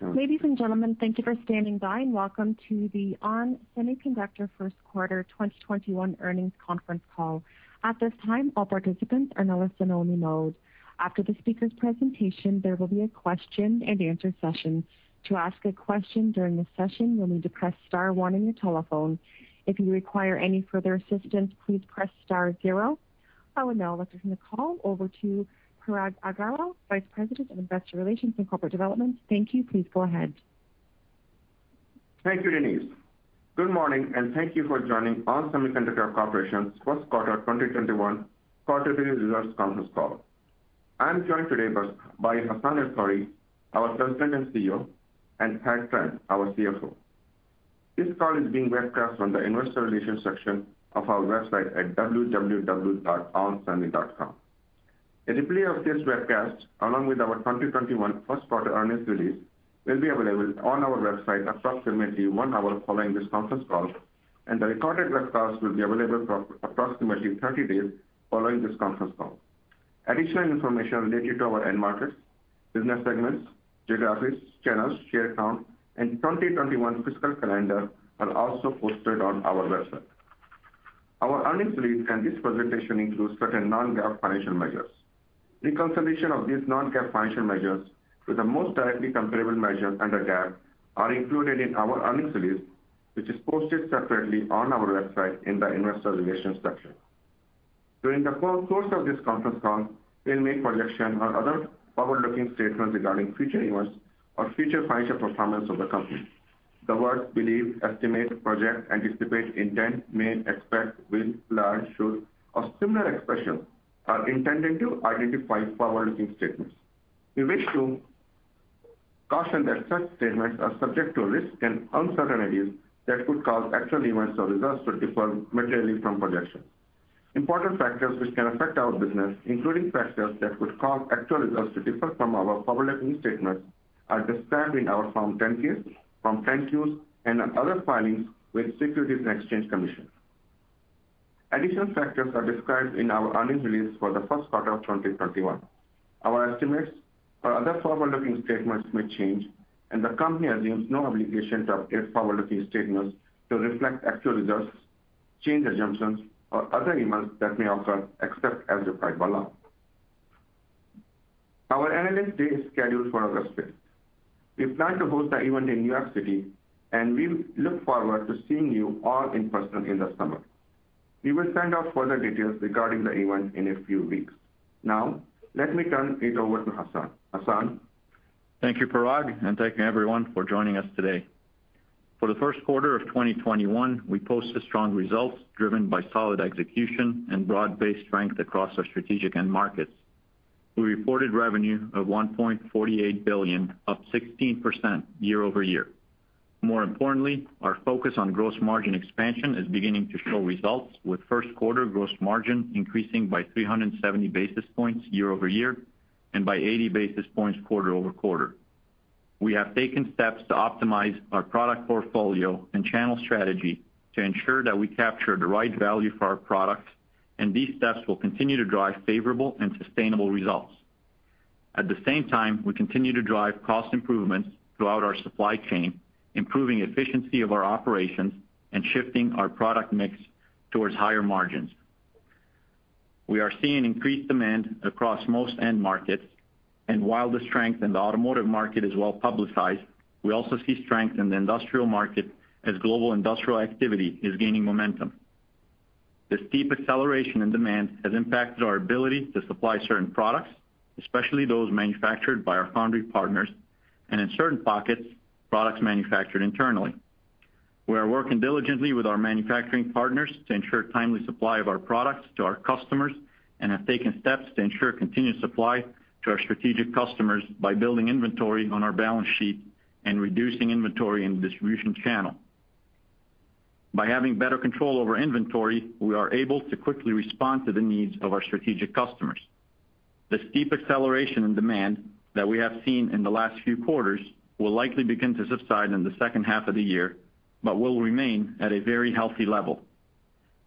Ladies and gentlemen, thank you for standing by and welcome to the ON Semiconductor First Quarter 2021 Earnings Conference Call. At this time, all participants are in a listen only mode. After the speakers' presentation, there will be a question and answer session. To ask a question during the session, you'll need to press star one on your telephone. If you require any further assistance, please press star zero. I will now hand the call over to Parag Agarwal, Vice President of Investor Relations and Corporate Development. Thank you. Please go ahead. Thank you, Denise. Good morning, and thank you for joining ON Semiconductor Corporation first quarter 2021 quarterly results conference call. I am joined today by Hassane El-Khoury, our President and CEO, and Thad Trent, our CFO. This call is being webcast from the investor relations section of our website at www.onsemi.com. A replay of this webcast, along with our 2021 first quarter earnings release, will be available on our website approximately one hour following this conference call, and the recorded webcast will be available for approximately 30 days following this conference call. Additional information related to our end markets, business segments, geographies, channels, share count, and 2021 fiscal calendar are also posted on our website. Our earnings release and this presentation includes certain non-GAAP financial measures. Reconciliation of these non-GAAP financial measures with the most directly comparable measures under GAAP are included in our earnings release, which is posted separately on our website in the investor relations section. During the course of this conference call, we'll make projections or other forward-looking statements regarding future events or future financial performance of the company. The words believe, estimate, project, anticipate, intend, may, expect, will, plan, should, or similar expressions are intended to identify forward-looking statements. We wish to caution that such statements are subject to risks and uncertainties that could cause actual events or results to differ materially from projections. Important factors which can affect our business, including factors that could cause actual results to differ from our forward-looking statements, are described in our Form 10-K, Form 10-Q, and other filings with Securities and Exchange Commission. Additional factors are described in our earnings release for the first quarter of 2021. Our estimates or other forward-looking statements may change, and the company assumes no obligation to update forward-looking statements to reflect actual results, changed assumptions, or other events that may occur, except as required by law. Our Analyst Day is scheduled for August 5th. We plan to host the event in New York City, and we look forward to seeing you all in person in the summer. We will send out further details regarding the event in a few weeks. Now, let me turn it over to Hassane. Hassane? Thank you, Parag, and thank you everyone for joining us today. For the first quarter of 2021, we posted strong results driven by solid execution and broad-based strength across our strategic end markets. We reported revenue of $1.48 billion, up 16% year-over-year. More importantly, our focus on gross margin expansion is beginning to show results, with first quarter gross margin increasing by 370 basis points year-over-year and by 80 basis points quarter-over-quarter. We have taken steps to optimize our product portfolio and channel strategy to ensure that we capture the right value for our products, and these steps will continue to drive favorable and sustainable results. At the same time, we continue to drive cost improvements throughout our supply chain, improving efficiency of our operations and shifting our product mix towards higher margins. We are seeing increased demand across most end markets, and while the strength in the automotive market is well-publicized, we also see strength in the industrial market as global industrial activity is gaining momentum. This steep acceleration in demand has impacted our ability to supply certain products, especially those manufactured by our foundry partners, and in certain pockets, products manufactured internally. We are working diligently with our manufacturing partners to ensure timely supply of our products to our customers and have taken steps to ensure continued supply to our strategic customers by building inventory on our balance sheet and reducing inventory in the distribution channel. By having better control over inventory, we are able to quickly respond to the needs of our strategic customers. The steep acceleration in demand that we have seen in the last few quarters will likely begin to subside in the second half of the year, but will remain at a very healthy level.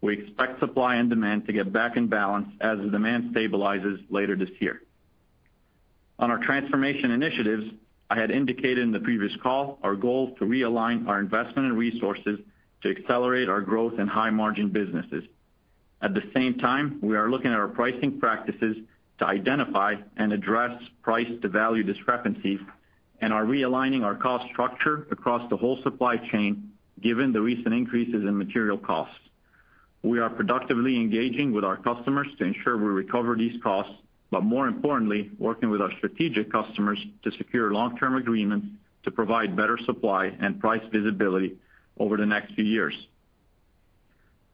We expect supply and demand to get back in balance as the demand stabilizes later this year. On our transformation initiatives, I had indicated in the previous call our goal is to realign our investment and resources to accelerate our growth in high-margin businesses. At the same time, we are looking at our pricing practices to identify and address price-to-value discrepancies and are realigning our cost structure across the whole supply chain given the recent increases in material costs. We are productively engaging with our customers to ensure we recover these costs, but more importantly, working with our strategic customers to secure long-term agreements to provide better supply and price visibility over the next few years.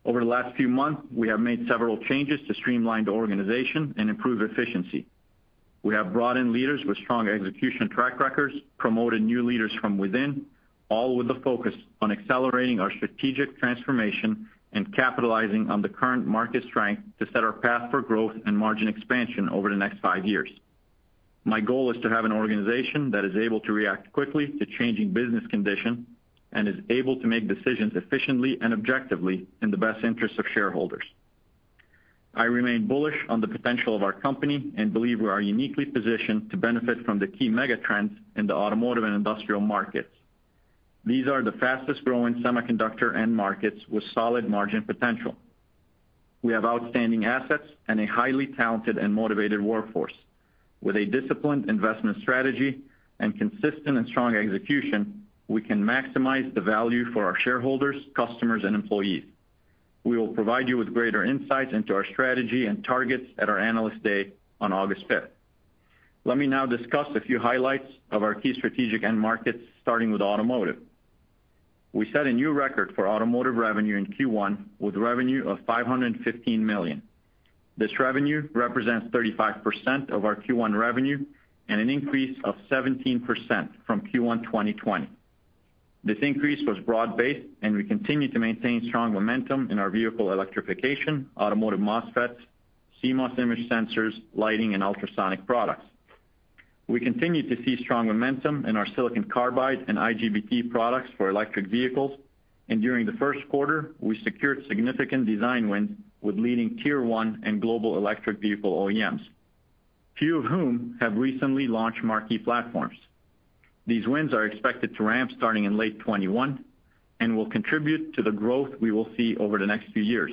Over the last few months, we have made several changes to streamline the organization and improve efficiency. We have brought in leaders with strong execution track records, promoted new leaders from within, all with the focus on accelerating our strategic transformation and capitalizing on the current market strength to set our path for growth and margin expansion over the next five years. My goal is to have an organization that is able to react quickly to changing business condition and is able to make decisions efficiently and objectively in the best interest of shareholders. I remain bullish on the potential of our company, and believe we are uniquely positioned to benefit from the key mega trends in the automotive and industrial markets. These are the fastest-growing semiconductor end markets with solid margin potential. We have outstanding assets and a highly talented and motivated workforce. With a disciplined investment strategy and consistent and strong execution, we can maximize the value for our shareholders, customers, and employees. We will provide you with greater insights into our strategy and targets at our Analyst Day on August 5th. Let me now discuss a few highlights of our key strategic end markets, starting with automotive. We set a new record for automotive revenue in Q1, with revenue of $515 million. This revenue represents 35% of our Q1 revenue and an increase of 17% from Q1 2020. This increase was broad-based, and we continue to maintain strong momentum in our vehicle electrification, automotive MOSFETs, CMOS image sensors, lighting, and ultrasonic products. We continue to see strong momentum in our silicon carbide and IGBT products for electric vehicles. During the first quarter, we secured significant design wins with leading Tier 1 and global electric vehicle OEMs, few of whom have recently launched marquee platforms. These wins are expected to ramp starting in late 2021, and will contribute to the growth we will see over the next few years.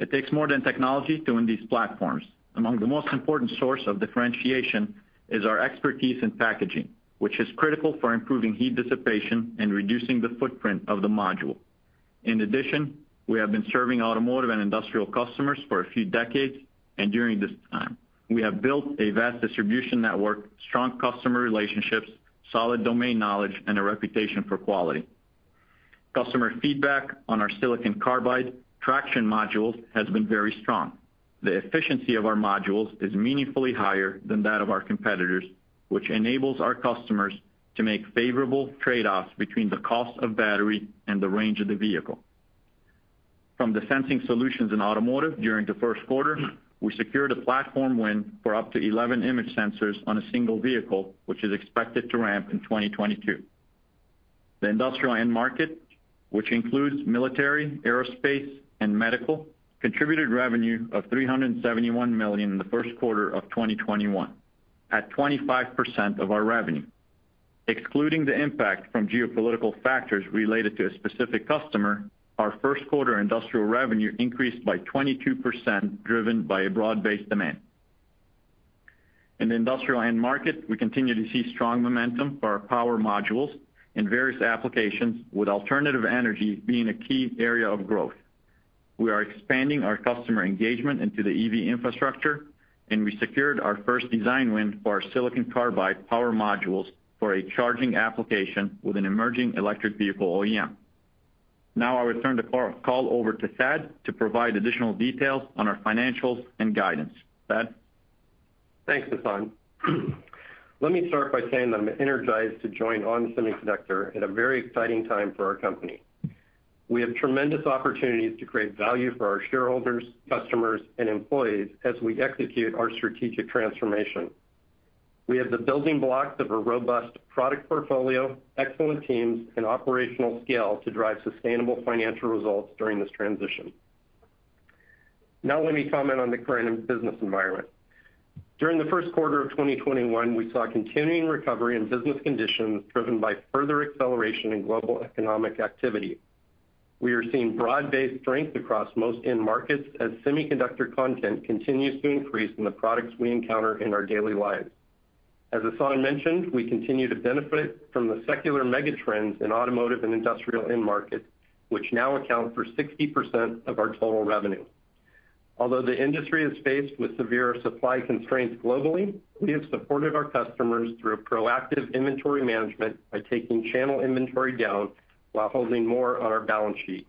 It takes more than technology to win these platforms. Among the most important source of differentiation is our expertise in packaging, which is critical for improving heat dissipation and reducing the footprint of the module. In addition, we have been serving automotive and industrial customers for a few decades, and during this time, we have built a vast distribution network, strong customer relationships, solid domain knowledge, and a reputation for quality. Customer feedback on our silicon carbide traction modules has been very strong. The efficiency of our modules is meaningfully higher than that of our competitors, which enables our customers to make favorable trade-offs between the cost of battery and the range of the vehicle. From the sensing solutions in automotive during the first quarter, we secured a platform win for up to 11 image sensors on a single vehicle, which is expected to ramp in 2022. The industrial end market, which includes military, aerospace, and medical, contributed revenue of $371 million in the first quarter of 2021, at 25% of our revenue. Excluding the impact from geopolitical factors related to a specific customer, our first quarter industrial revenue increased by 22%, driven by a broad-based demand. In the industrial end market, we continue to see strong momentum for our power modules in various applications, with alternative energy being a key area of growth. We are expanding our customer engagement into the EV infrastructure, and we secured our first design win for our silicon carbide power modules for a charging application with an emerging electric vehicle OEM. Now I'll turn the call over to Thad to provide additional details on our financials and guidance. Thad? Thanks, Hassane. Let me start by saying that I'm energized to join ON Semiconductor at a very exciting time for our company. We have tremendous opportunities to create value for our shareholders, customers, and employees as we execute our strategic transformation. We have the building blocks of a robust product portfolio, excellent teams, and operational scale to drive sustainable financial results during this transition. Let me comment on the current business environment. During the first quarter of 2021, we saw continuing recovery in business conditions driven by further acceleration in global economic activity. We are seeing broad-based strength across most end markets as semiconductor content continues to increase in the products we encounter in our daily lives. As Hassane mentioned, we continue to benefit from the secular mega trends in automotive and industrial end markets, which now account for 60% of our total revenue. Although the industry is faced with severe supply constraints globally, we have supported our customers through proactive inventory management by taking channel inventory down while holding more on our balance sheet.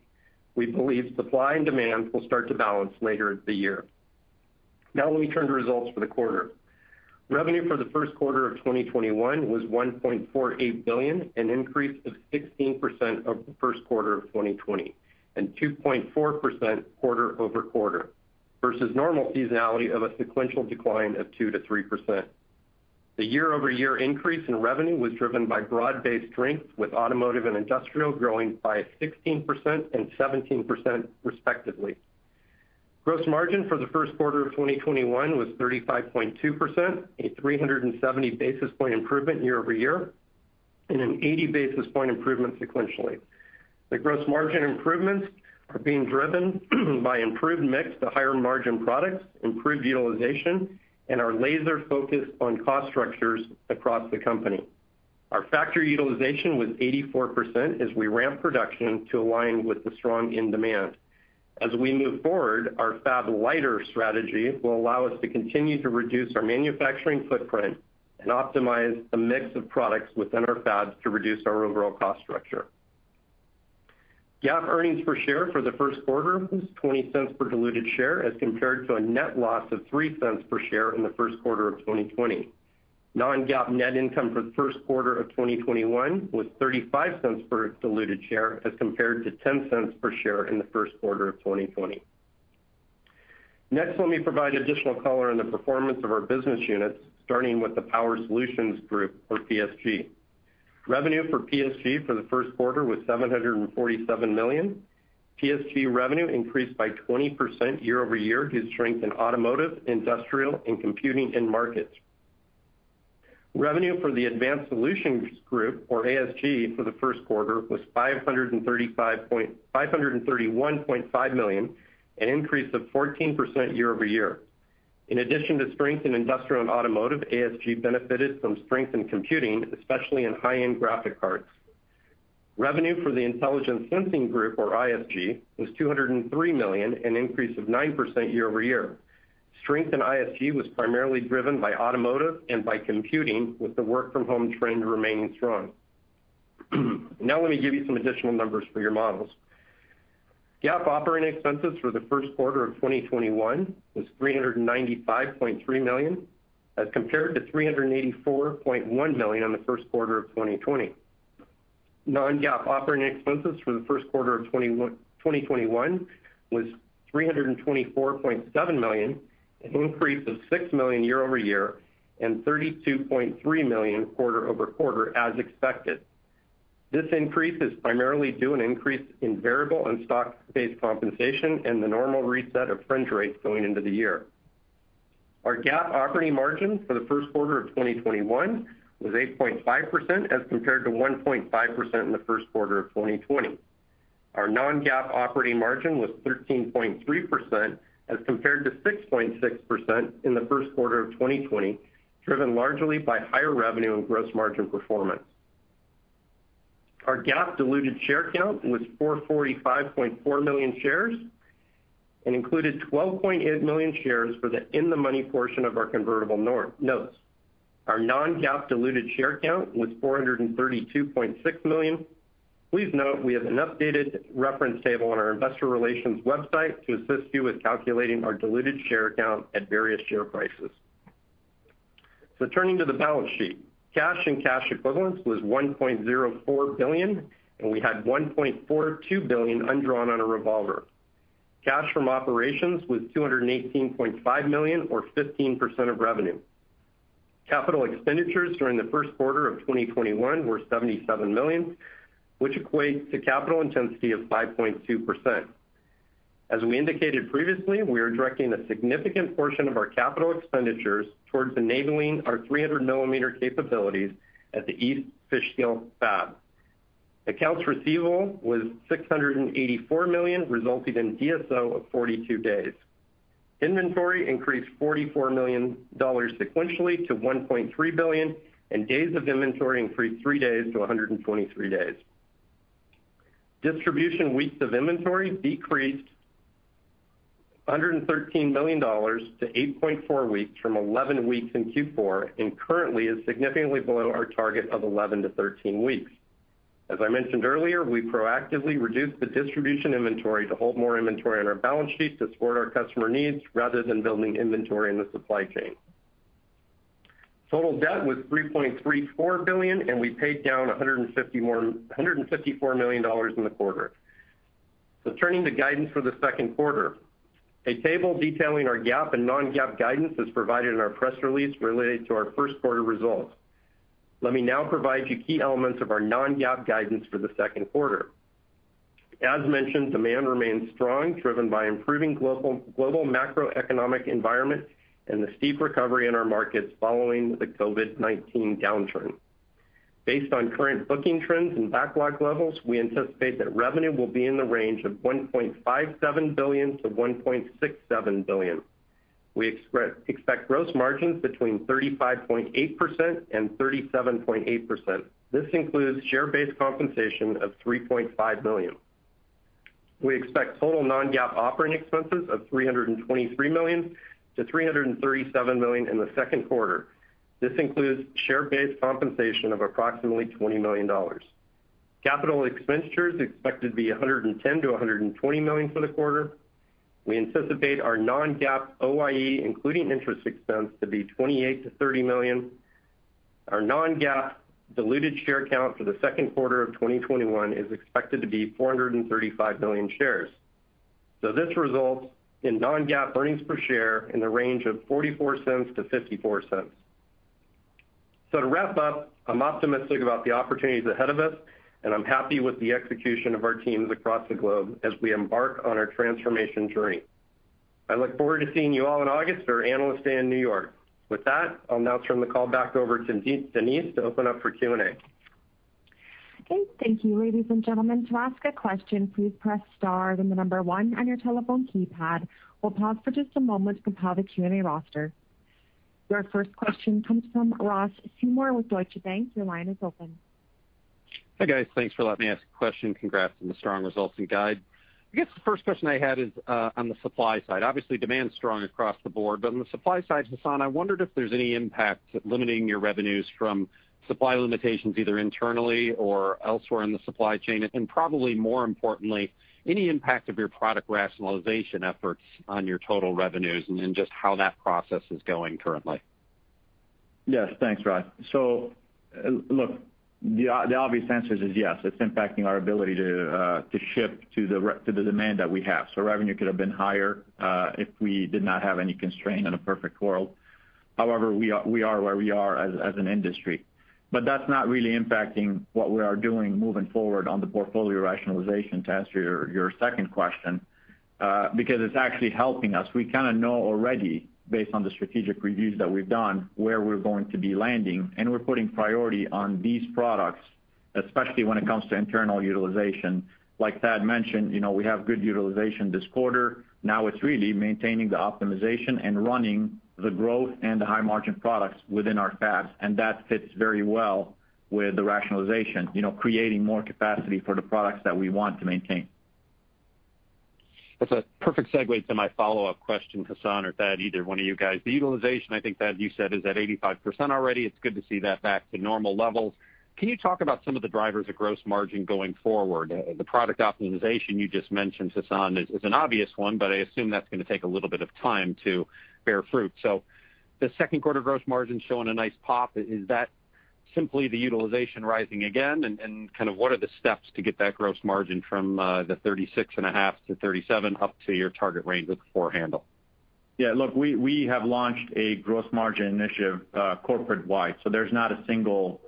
We believe supply and demand will start to balance later the year. Now let me turn to results for the quarter. Revenue for the first quarter of 2021 was $1.48 billion, an increase of 16% of the first quarter of 2020, and 2.4% quarter-over-quarter versus normal seasonality of a sequential decline of 2%-3%. The year-over-year increase in revenue was driven by broad-based strength with automotive and industrial growing by 16% and 17% respectively. Gross margin for the first quarter of 2021 was 35.2%, a 370 basis point improvement year-over-year, and an 80 basis point improvement sequentially. The gross margin improvements are being driven by improved mix to higher margin products, improved utilization, and our laser focus on cost structures across the company. Our factory utilization was 84% as we ramp production to align with the strong end demand. As we move forward, our fab-liter strategy will allow us to continue to reduce our manufacturing footprint and optimize the mix of products within our fabs to reduce our overall cost structure. GAAP earnings per share for the first quarter was $0.20 per diluted share as compared to a net loss of $0.03 per share in the first quarter of 2020. Non-GAAP net income for the first quarter of 2021 was $0.35 per diluted share as compared to $0.10 per share in the first quarter of 2020. Next, let me provide additional color on the performance of our business units, starting with the Power Solutions Group or PSG. Revenue for PSG for the first quarter was $747 million. PSG revenue increased by 20% year-over-year due to strength in automotive, industrial, and computing end markets. Revenue for the Advanced Solutions Group, or ASG, for the first quarter was $531.5 million, an increase of 14% year-over-year. In addition to strength in industrial and automotive, ASG benefited from strength in computing, especially in high-end graphic cards. Revenue for the Intelligent Sensing Group, or ISG, was $203 million, an increase of 9% year-over-year. Strength in ISG was primarily driven by automotive and by computing, with the work from home trend remaining strong. Now let me give you some additional numbers for your models. GAAP operating expenses for the first quarter of 2021 was $395.3 million, as compared to $384.1 million on the first quarter of 2020. Non-GAAP operating expenses for the first quarter of 2021 was $324.7 million, an increase of $6 million year-over-year, and $32.3 million quarter-over-quarter as expected. This increase is primarily due to an increase in variable and stock-based compensation and the normal reset of fringe rates going into the year. Our GAAP operating margin for the first quarter of 2021 was 8.5%, as compared to 1.5% in the first quarter of 2020. Our non-GAAP operating margin was 13.3%, as compared to 6.6% in the first quarter of 2020, driven largely by higher revenue and gross margin performance. Our GAAP diluted share count was 445.4 million shares and included 12.8 million shares for the in-the-money portion of our convertible notes. Our non-GAAP diluted share count was 432.6 million. Please note, we have an updated reference table on our investor relations website to assist you with calculating our diluted share count at various share prices. Turning to the balance sheet. Cash and cash equivalents was $1.04 billion, and we had $1.42 billion undrawn on a revolver. Cash from operations was $218.5 million, or 15% of revenue. Capital expenditures during the first quarter of 2021 were $77 million, which equates to capital intensity of 5.2%. As we indicated previously, we are directing a significant portion of our capital expenditures towards enabling our 300 mm capabilities at the East Fishkill fab. Accounts receivable was $684 million, resulting in DSO of 42 days. Inventory increased $44 million sequentially to $1.3 billion, and days of inventory increased three days to 123 days. Distribution weeks of inventory decreased $113 million to 8.4 weeks from 11 weeks in Q4. Currently is significantly below our target of 11-13 weeks. As I mentioned earlier, we proactively reduced the distribution inventory to hold more inventory on our balance sheet to support our customer needs rather than building inventory in the supply chain. Total debt was $3.34 billion. We paid down $154 million in the quarter. Turning to guidance for the second quarter. A table detailing our GAAP and non-GAAP guidance is provided in our press release related to our first quarter results. Let me now provide you key elements of our non-GAAP guidance for the second quarter. As mentioned, demand remains strong, driven by improving global macroeconomic environment and the steep recovery in our markets following the COVID-19 downturn. Based on current booking trends and backlog levels, we anticipate that revenue will be in the range of $1.57 billion-$1.67 billion. We expect gross margins between 35.8%-37.8%. This includes share-based compensation of $3.5 million. We expect total non-GAAP operating expenses of $323 million-$337 million in the second quarter. This includes share-based compensation of approximately $20 million. Capital expenditures expected to be $110 million-$120 million for the quarter. We anticipate our non-GAAP OIE, including interest expense, to be $28 million-$30 million. Our non-GAAP diluted share count for the second quarter of 2021 is expected to be 435 million shares. This results in non-GAAP earnings per share in the range of $0.44-$0.54. To wrap up, I'm optimistic about the opportunities ahead of us, and I'm happy with the execution of our teams across the globe as we embark on our transformation journey. I look forward to seeing you all in August for Analyst Day in New York. With that, I'll now turn the call back over to Denise to open up for Q&A. Okay, thank you. Ladies and gentlemen, to ask a question, please press star then the number one on your telephone keypad. We'll pause for just a moment to compile the Q&A roster. Your first question comes from Ross Seymore with Deutsche Bank. Your line is open. Hi, guys. Thanks for letting me ask a question. Congrats on the strong results and guide. I guess the first question I had is on the supply side. Obviously, demand's strong across the board, but on the supply side, Hassane, I wondered if there's any impact limiting your revenues from supply limitations, either internally or elsewhere in the supply chain. Probably more importantly, any impact of your product rationalization efforts on your total revenues, and just how that process is going currently. Yes, thanks, Ross. Look, the obvious answer is yes, it's impacting our ability to ship to the demand that we have. Revenue could have been higher, if we did not have any constraint in a perfect world. However, we are where we are as an industry. That's not really impacting what we are doing moving forward on the portfolio rationalization, to answer your second question, because it's actually helping us. We kind of know already, based on the strategic reviews that we've done, where we're going to be landing, and we're putting priority on these products, especially when it comes to internal utilization. Like Thad mentioned, we have good utilization this quarter. Now it's really maintaining the optimization and running the growth and the high-margin products within our fabs, and that fits very well with the rationalization, creating more capacity for the products that we want to maintain. That's a perfect segue to my follow-up question, Hassane or Thad, either one of you guys. The utilization, I think, Thad, you said is at 85% already. It's good to see that back to normal levels. Can you talk about some of the drivers of gross margin going forward? The product optimization you just mentioned, Hassane, is an obvious one, but I assume that's going to take a little bit of time to bear fruit. The second quarter gross margin's showing a nice pop. Is that simply the utilization rising again? What are the steps to get that gross margin from the 36.5%-37% up to your target range with the four handle? Yeah, look, we have launched a gross margin initiative corporate-wide. There's not a single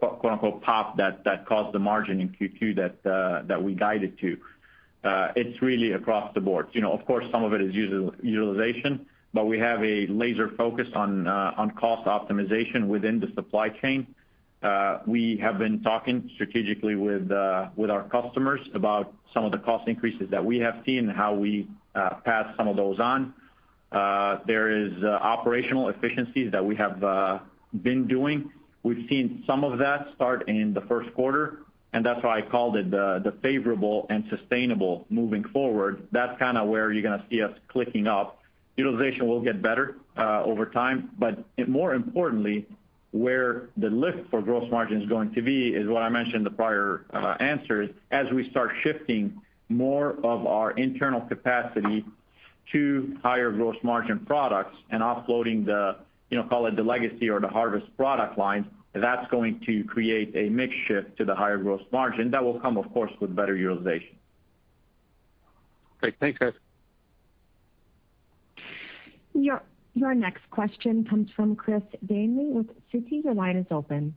"pop" that caused the margin in Q2 that we guided to. It's really across the board. Of course, some of it is utilization. We have a laser focus on cost optimization within the supply chain. We have been talking strategically with our customers about some of the cost increases that we have seen, how we pass some of those on. There is operational efficiencies that we have been doing. We've seen some of that start in the first quarter. That's why I called it the favorable and sustainable moving forward. That's kind of where you're going to see us clicking up. Utilization will get better over time. More importantly, where the lift for gross margin is going to be is what I mentioned in the prior answers. As we start shifting more of our internal capacity to higher gross margin products and offloading the legacy or the harvest product lines, that's going to create a mix shift to the higher gross margin. That will come, of course, with better utilization. Great. Thanks, guys. Your next question comes from Chris Danely with Citi. Your line is open.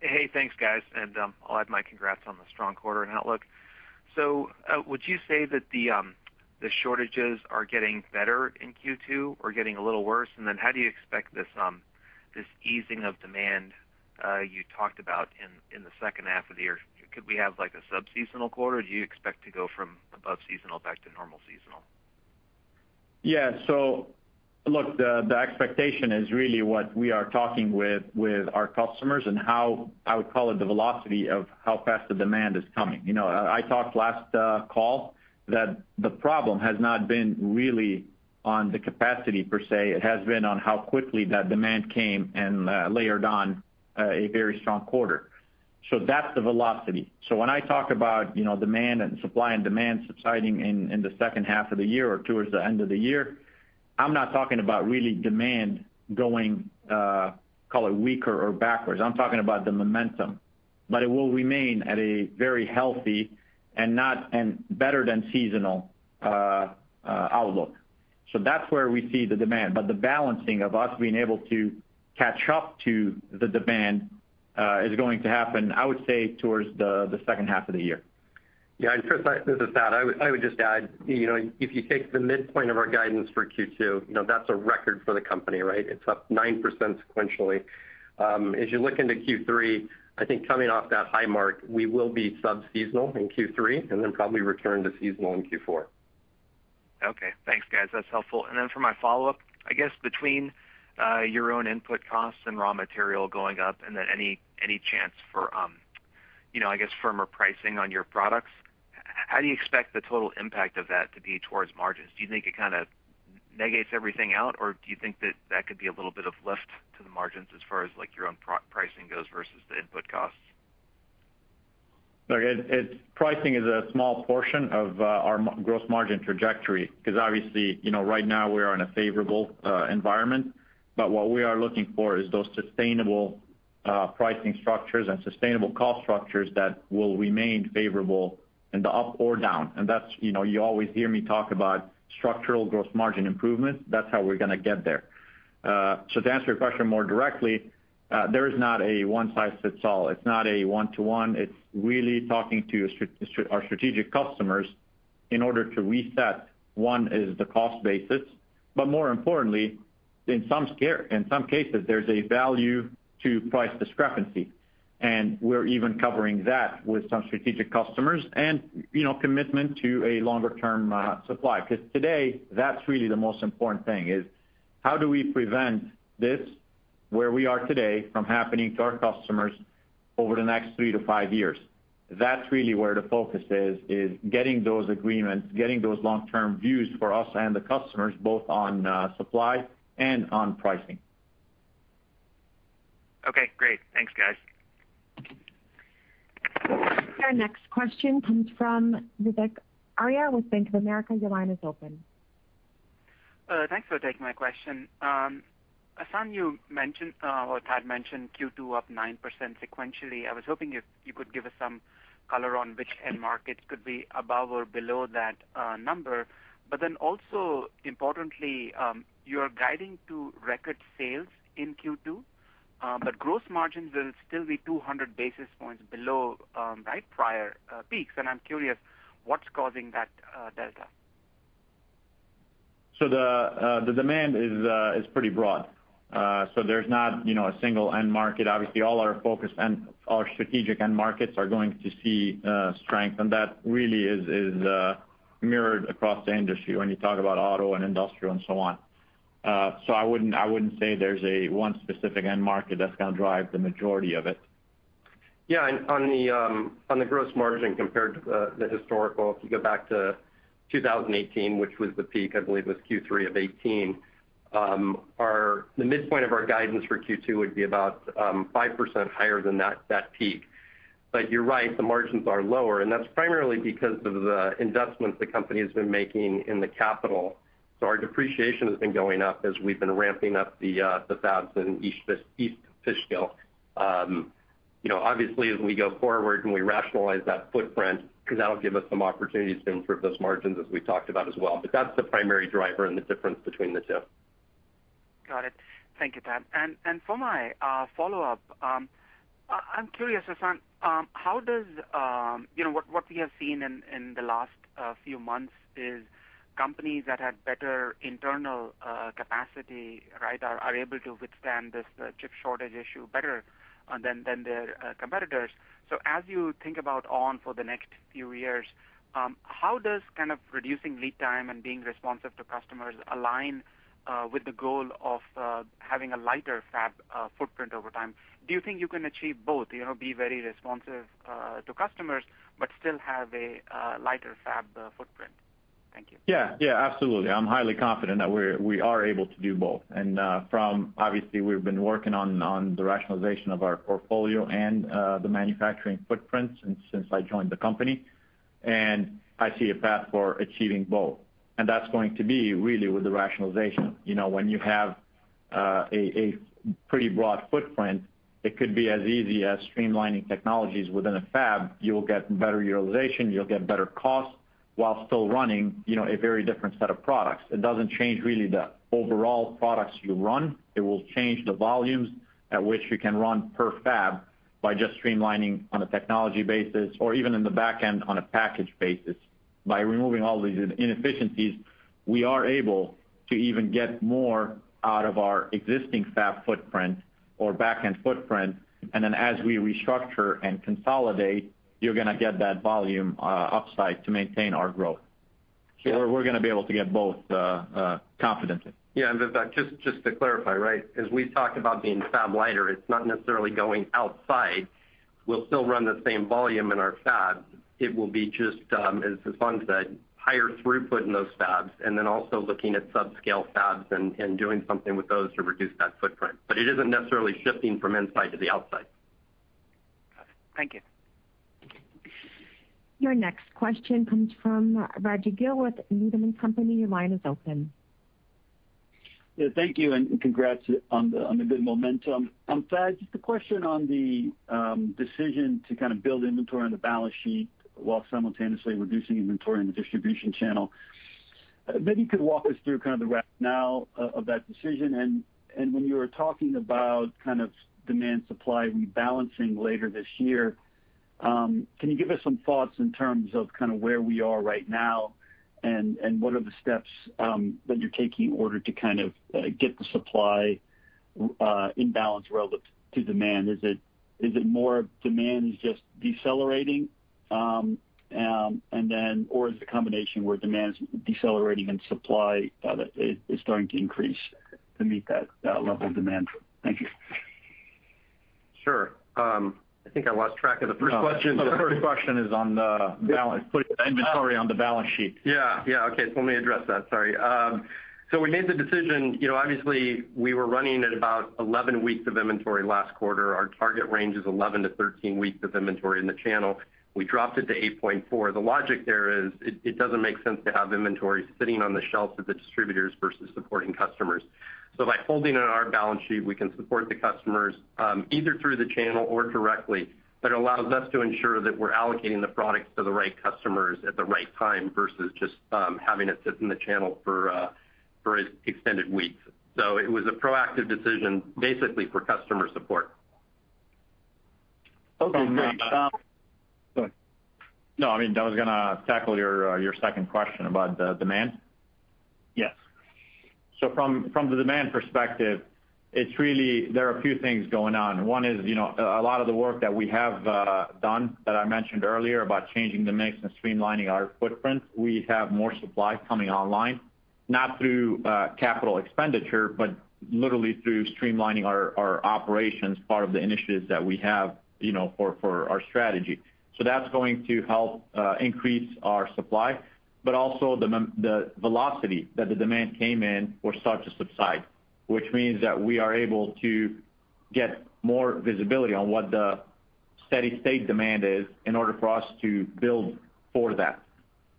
Hey, thanks, guys. I'll add my congrats on the strong quarter and outlook. Would you say that the shortages are getting better in Q2 or getting a little worse? How do you expect this easing of demand you talked about in the second half of the year? Could we have a sub-seasonal quarter, or do you expect to go from above seasonal back to normal seasonal? Yeah. Look, the expectation is really what we are talking with our customers and how I would call it the velocity of how fast the demand is coming. I talked last call that the problem has not been really on the capacity per se. It has been on how quickly that demand came and layered on a very strong quarter. That's the velocity. When I talk about supply and demand subsiding in the second half of the year or towards the end of the year, I'm not talking about really demand going weaker or backwards. I'm talking about the momentum. It will remain at a very healthy and better than seasonal outlook. That's where we see the demand. The balancing of us being able to catch up to the demand is going to happen, I would say, towards the second half of the year. Yeah, Chris, this is Thad. I would just add, if you take the midpoint of our guidance for Q2, that's a record for the company, right? It's up 9% sequentially. As you look into Q3, I think coming off that high mark, we will be sub-seasonal in Q3 and then probably return to seasonal in Q4. Okay. Thanks, guys. That's helpful. For my follow-up, I guess between your own input costs and raw material going up and then any chance for firmer pricing on your products, how do you expect the total impact of that to be towards margins? Do you think it kind of negates everything out, or do you think that that could be a little bit of lift to the margins as far as your own pricing goes versus the input costs? Look, pricing is a small portion of our gross margin trajectory because obviously, right now we are in a favorable environment. What we are looking for is those sustainable pricing structures and sustainable cost structures that will remain favorable in the up or down. You always hear me talk about structural gross margin improvement. That's how we're going to get there. To answer your question more directly, there is not a one size fits all. It's not a one-to-one. It's really talking to our strategic customers in order to reset, one is the cost basis. More importantly, in some cases, there's a value to price discrepancy, and we're even covering that with some strategic customers and commitment to a longer-term supply. Today, that's really the most important thing is how do we prevent this, where we are today, from happening to our customers over the next three to five years? That's really where the focus is getting those agreements, getting those long-term views for us and the customers, both on supply and on pricing. Okay, great. Thanks, guys. Our next question comes from Vivek Arya with Bank of America. Your line is open. Thanks for taking my question. Hassane, you mentioned, or Thad mentioned Q2 up 9% sequentially. I was hoping if you could give us some color on which end markets could be above or below that number. Also importantly, you're guiding to record sales in Q2, but gross margins will still be 200 basis points below prior peaks, and I'm curious what's causing that delta. The demand is pretty broad. There's not a single end market. Obviously, all our focus and our strategic end markets are going to see strength, and that really is mirrored across the industry when you talk about auto and industrial and so on. I wouldn't say there's a one specific end market that's going to drive the majority of it. Yeah. On the gross margin compared to the historical, if you go back to 2018, which was the peak, I believe it was Q3 of 2018, the midpoint of our guidance for Q2 would be about 5% higher than that peak. You're right, the margins are lower, and that's primarily because of the investments the company has been making in the capital. Our depreciation has been going up as we've been ramping up the fabs in East Fishkill. Obviously, as we go forward and we rationalize that footprint, because that'll give us some opportunities to improve those margins, as we've talked about as well. That's the primary driver and the difference between the two. Got it. Thank you, Thad. For my follow-up, I'm curious, Hassane, what we have seen in the last few months is companies that had better internal capacity are able to withstand this chip shortage issue better than their competitors. As you think about ON for the next few years, how does kind of reducing lead time and being responsive to customers align with the goal of having a lighter fab footprint over time? Do you think you can achieve both, be very responsive to customers but still have a lighter fab footprint? Thank you. Yeah, absolutely. I'm highly confident that we are able to do both. From, obviously, we've been working on the rationalization of our portfolio and the manufacturing footprint since I joined the company, and I see a path for achieving both. That's going to be really with the rationalization. When you have a pretty broad footprint, it could be as easy as streamlining technologies within a fab. You'll get better utilization, you'll get better cost, while still running a very different set of products. It doesn't change really the overall products you run. It will change the volumes at which you can run per fab by just streamlining on a technology basis or even in the back end on a package basis. By removing all these inefficiencies, we are able to even get more out of our existing fab footprint or back-end footprint. As we restructure and consolidate, you're going to get that volume upside to maintain our growth. Sure. We're going to be able to get both confidently. Just to clarify, as we've talked about being fab-liter, it's not necessarily going outside. We'll still run the same volume in our fabs. It will be just, as Hassane said, higher throughput in those fabs, also looking at sub-scale fabs and doing something with those to reduce that footprint. It isn't necessarily shifting from inside to the outside. Got it. Thank you. Your next question comes from Raj Gill with Needham & Company. Your line is open. Yeah, thank you, and congrats on the good momentum. Thad, just a question on the decision to kind of build inventory on the balance sheet while simultaneously reducing inventory in the distribution channel. Maybe you could walk us through kind of the rationale of that decision. When you were talking about kind of demand/supply rebalancing later this year, can you give us some thoughts in terms of kind of where we are right now and what are the steps that you're taking in order to kind of get the supply in balance relative to demand? Is it more demand is just decelerating, or is it a combination where demand's decelerating and supply is starting to increase to meet that level of demand? Thank you. Sure. I think I lost track of the first question. The first question is on the balance, putting the inventory on the balance sheet. Yeah. Okay. Let me address that, sorry. We made the decision, obviously, we were running at about 11 weeks of inventory last quarter. Our target range is 11 to 13 weeks of inventory in the channel. We dropped it to 8.4. The logic there is it doesn't make sense to have inventory sitting on the shelves of the distributors versus supporting customers. By holding it on our balance sheet, we can support the customers, either through the channel or directly. That allows us to ensure that we're allocating the products to the right customers at the right time, versus just having it sit in the channel for extended weeks. It was a proactive decision, basically for customer support. Okay, great. So from-- Go ahead. I was going to tackle your second question about the demand. Yes. From the demand perspective, there are a few things going on. One is, a lot of the work that we have done that I mentioned earlier about changing the mix and streamlining our footprint, we have more supply coming online, not through capital expenditure, but literally through streamlining our operations, part of the initiatives that we have for our strategy. That's going to help increase our supply, but also the velocity that the demand came in will start to subside, which means that we are able to get more visibility on what the steady-state demand is in order for us to build for that.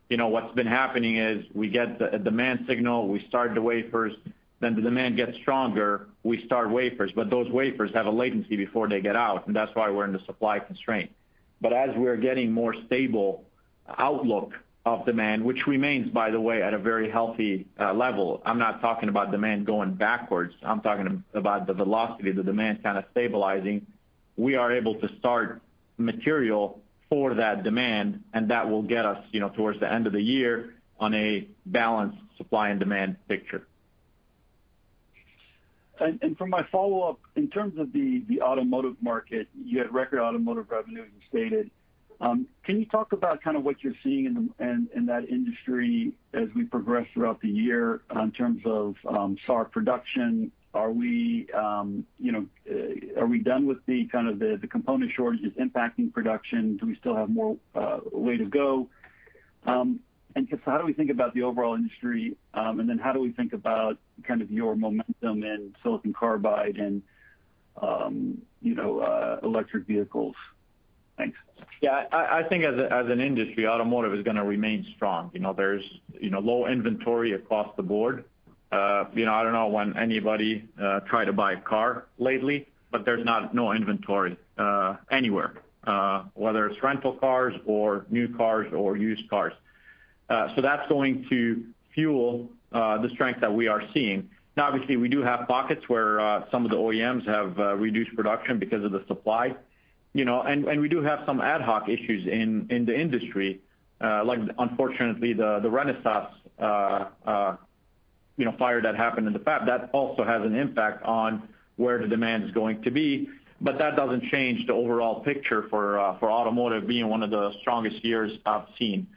What's been happening is we get a demand signal, we start the wafers, then the demand gets stronger, we start wafers, but those wafers have a latency before they get out, and that's why we're in the supply constraint. As we're getting more stable outlook of demand, which remains, by the way, at a very healthy level, I'm not talking about demand going backwards, I'm talking about the velocity of the demand kind of stabilizing. We are able to start material for that demand, that will get us towards the end of the year on a balanced supply and demand picture. For my follow-up, in terms of the automotive market, you had record automotive revenue, as you stated. Can you talk about kind of what you're seeing in that industry as we progress throughout the year in terms of SAAR production? Are we done with the kind of the component shortages impacting production? Do we still have more way to go? Just how do we think about the overall industry? Then how do we think about kind of your momentum in silicon carbide and electric vehicles? Thanks. Yeah, I think as an industry, automotive is going to remain strong. There's low inventory across the board. I don't know when anybody tried to buy a car lately, there's no inventory anywhere, whether it's rental cars or new cars or used cars. That's going to fuel the strength that we are seeing. Now, obviously, we do have pockets where some of the OEMs have reduced production because of the supply. We do have some ad hoc issues in the industry, like unfortunately the Renesas fire that happened in the fab. That also has an impact on where the demand is going to be. That doesn't change the overall picture for automotive being one of the strongest years I've seen.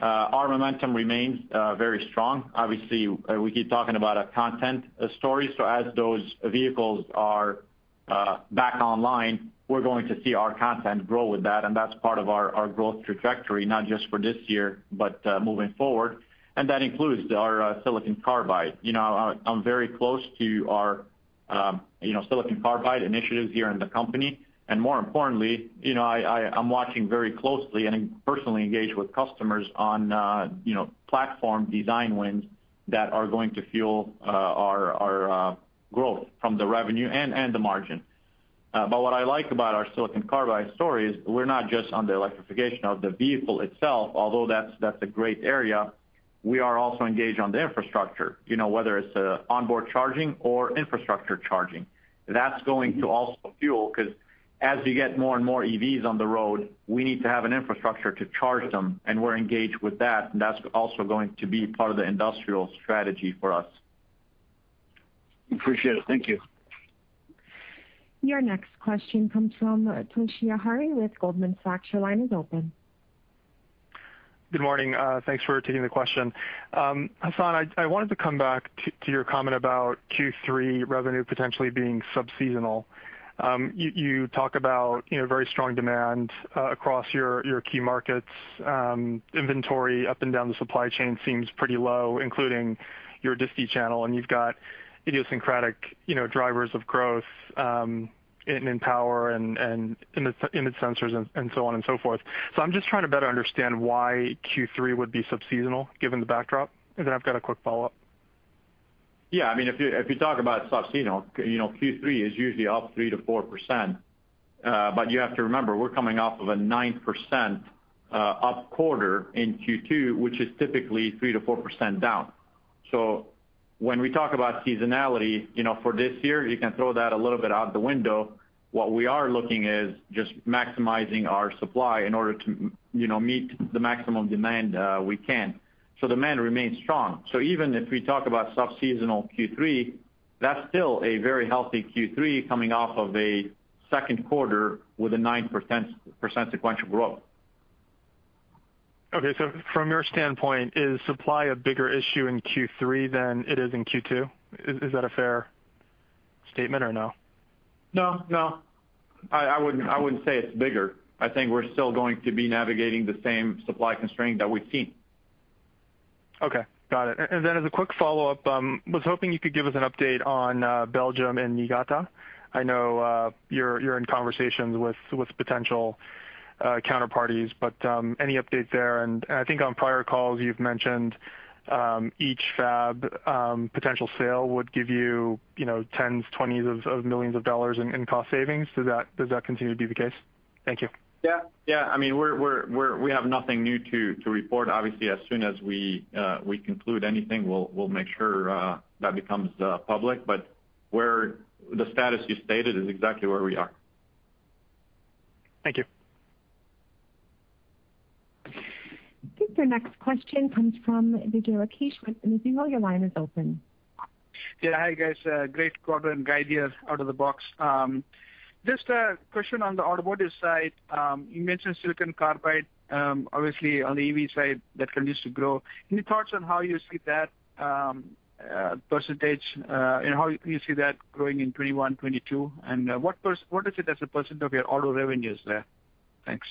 Our momentum remains very strong. Obviously, we keep talking about our content stories. As those vehicles are back online, we're going to see our content grow with that, and that's part of our growth trajectory, not just for this year, but moving forward. That includes our silicon carbide. I'm very close to our silicon carbide initiatives here in the company. More importantly, I'm watching very closely and personally engaged with customers on platform design wins that are going to fuel our growth from the revenue and the margin. What I like about our silicon carbide story is we're not just on the electrification of the vehicle itself, although that's a great area. We are also engaged on the infrastructure, whether it's onboard charging or infrastructure charging. That's going to also fuel, because as you get more and more EVs on the road, we need to have an infrastructure to charge them, and we're engaged with that, and that's also going to be part of the industrial strategy for us. Appreciate it. Thank you. Your next question comes from Toshiya Hari with Goldman Sachs. Your line is open. Good morning. Thanks for taking the question. Hassane, I wanted to come back to your comment about Q3 revenue potentially being sub-seasonal. You talk about very strong demand across your key markets. Inventory up and down the supply chain seems pretty low, including your disti channel, and you've got idiosyncratic drivers of growth in power and in the sensors and so on and so forth. I'm just trying to better understand why Q3 would be sub-seasonal given the backdrop. Then I've got a quick follow-up. If you talk about sub-seasonal, Q3 is usually up 3%-4%. You have to remember, we're coming off of a 9% up quarter in Q2, which is typically 3%-4% down. When we talk about seasonality, for this year, you can throw that a little bit out the window. What we are looking is just maximizing our supply in order to meet the maximum demand we can. Demand remains strong. Even if we talk about sub-seasonal Q3, that's still a very healthy Q3 coming off of a second quarter with a 9% sequential growth. Okay, from your standpoint, is supply a bigger issue in Q3 than it is in Q2? Is that a fair statement or no? No. I wouldn't say it's bigger. I think we're still going to be navigating the same supply constraint that we've seen. Okay. Got it. As a quick follow-up, was hoping you could give us an update on Belgium and Niigata. I know you're in conversations with potential counterparties, but any update there? I think on prior calls you've mentioned each fab potential sale would give you tens, twenties of millions of dollars in cost savings. Does that continue to be the case? Thank you. Yeah. We have nothing new to report. Obviously, as soon as we conclude anything, we'll make sure that becomes public. The status you stated is exactly where we are. Thank you. I think your next question comes from Vijay Rakesh with Mizuho. Your line is open. Hi, guys. Great quarter and guide here out of the box. Just a question on the automotive side. You mentioned silicon carbide, obviously on the EV side that continues to grow. Any thoughts on how you see that percentage and how you see that growing in 2021, 2022? What is it as a percent of your auto revenues there? Thanks.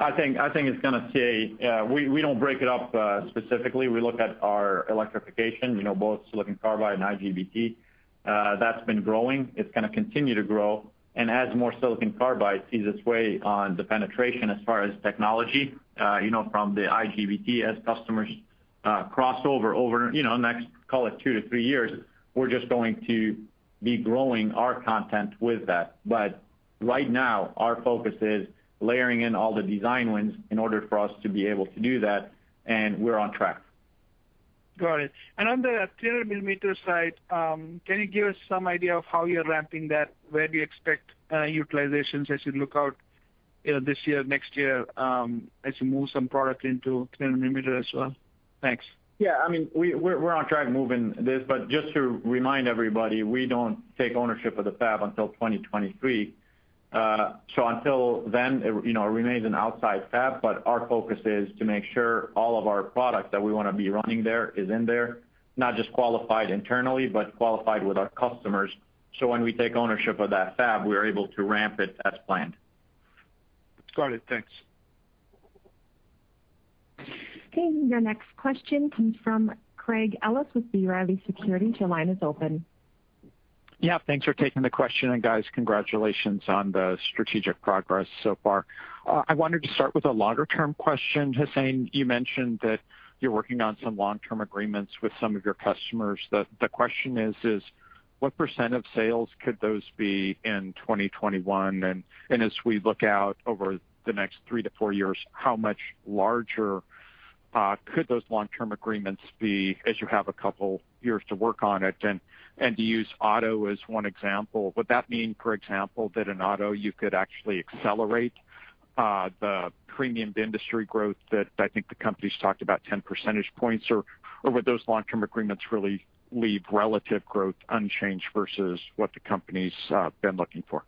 I think it's going to stay. We don't break it up specifically. We look at our electrification, both silicon carbide and IGBT. That's been growing. It's going to continue to grow. As more silicon carbide sees its way on the penetration as far as technology from the IGBT, as customers cross over the next, call it two to three years, we're just going to be growing our content with that. Right now, our focus is layering in all the design wins in order for us to be able to do that, and we're on track. Got it. On the 300 mm side, can you give us some idea of how you're ramping that? Where do you expect utilizations as you look out this year, next year, as you move some product into 300 mm as well? Thanks. Yeah. We're on track moving this, but just to remind everybody, we don't take ownership of the fab until 2023. Until then, it remains an outside fab, but our focus is to make sure all of our product that we want to be running there is in there, not just qualified internally, but qualified with our customers, so when we take ownership of that fab, we're able to ramp it as planned. Got it. Thanks. Okay, your next question comes from Craig Ellis with B. Riley Securities. Your line is open. Thanks for taking the question, guys, congratulations on the strategic progress so far. I wanted to start with a longer-term question. Hassane, you mentioned that you're working on some long-term agreements with some of your customers. The question is: what percent of sales could those be in 2021? As we look out over the next three to four years, how much larger could those long-term agreements be as you have a couple years to work on it? To use auto as one example, would that mean, for example, that in auto you could actually accelerate the premium to industry growth that I think the company's talked about 10 percentage points, or would those long-term agreements really leave relative growth unchanged versus what the company's been looking for?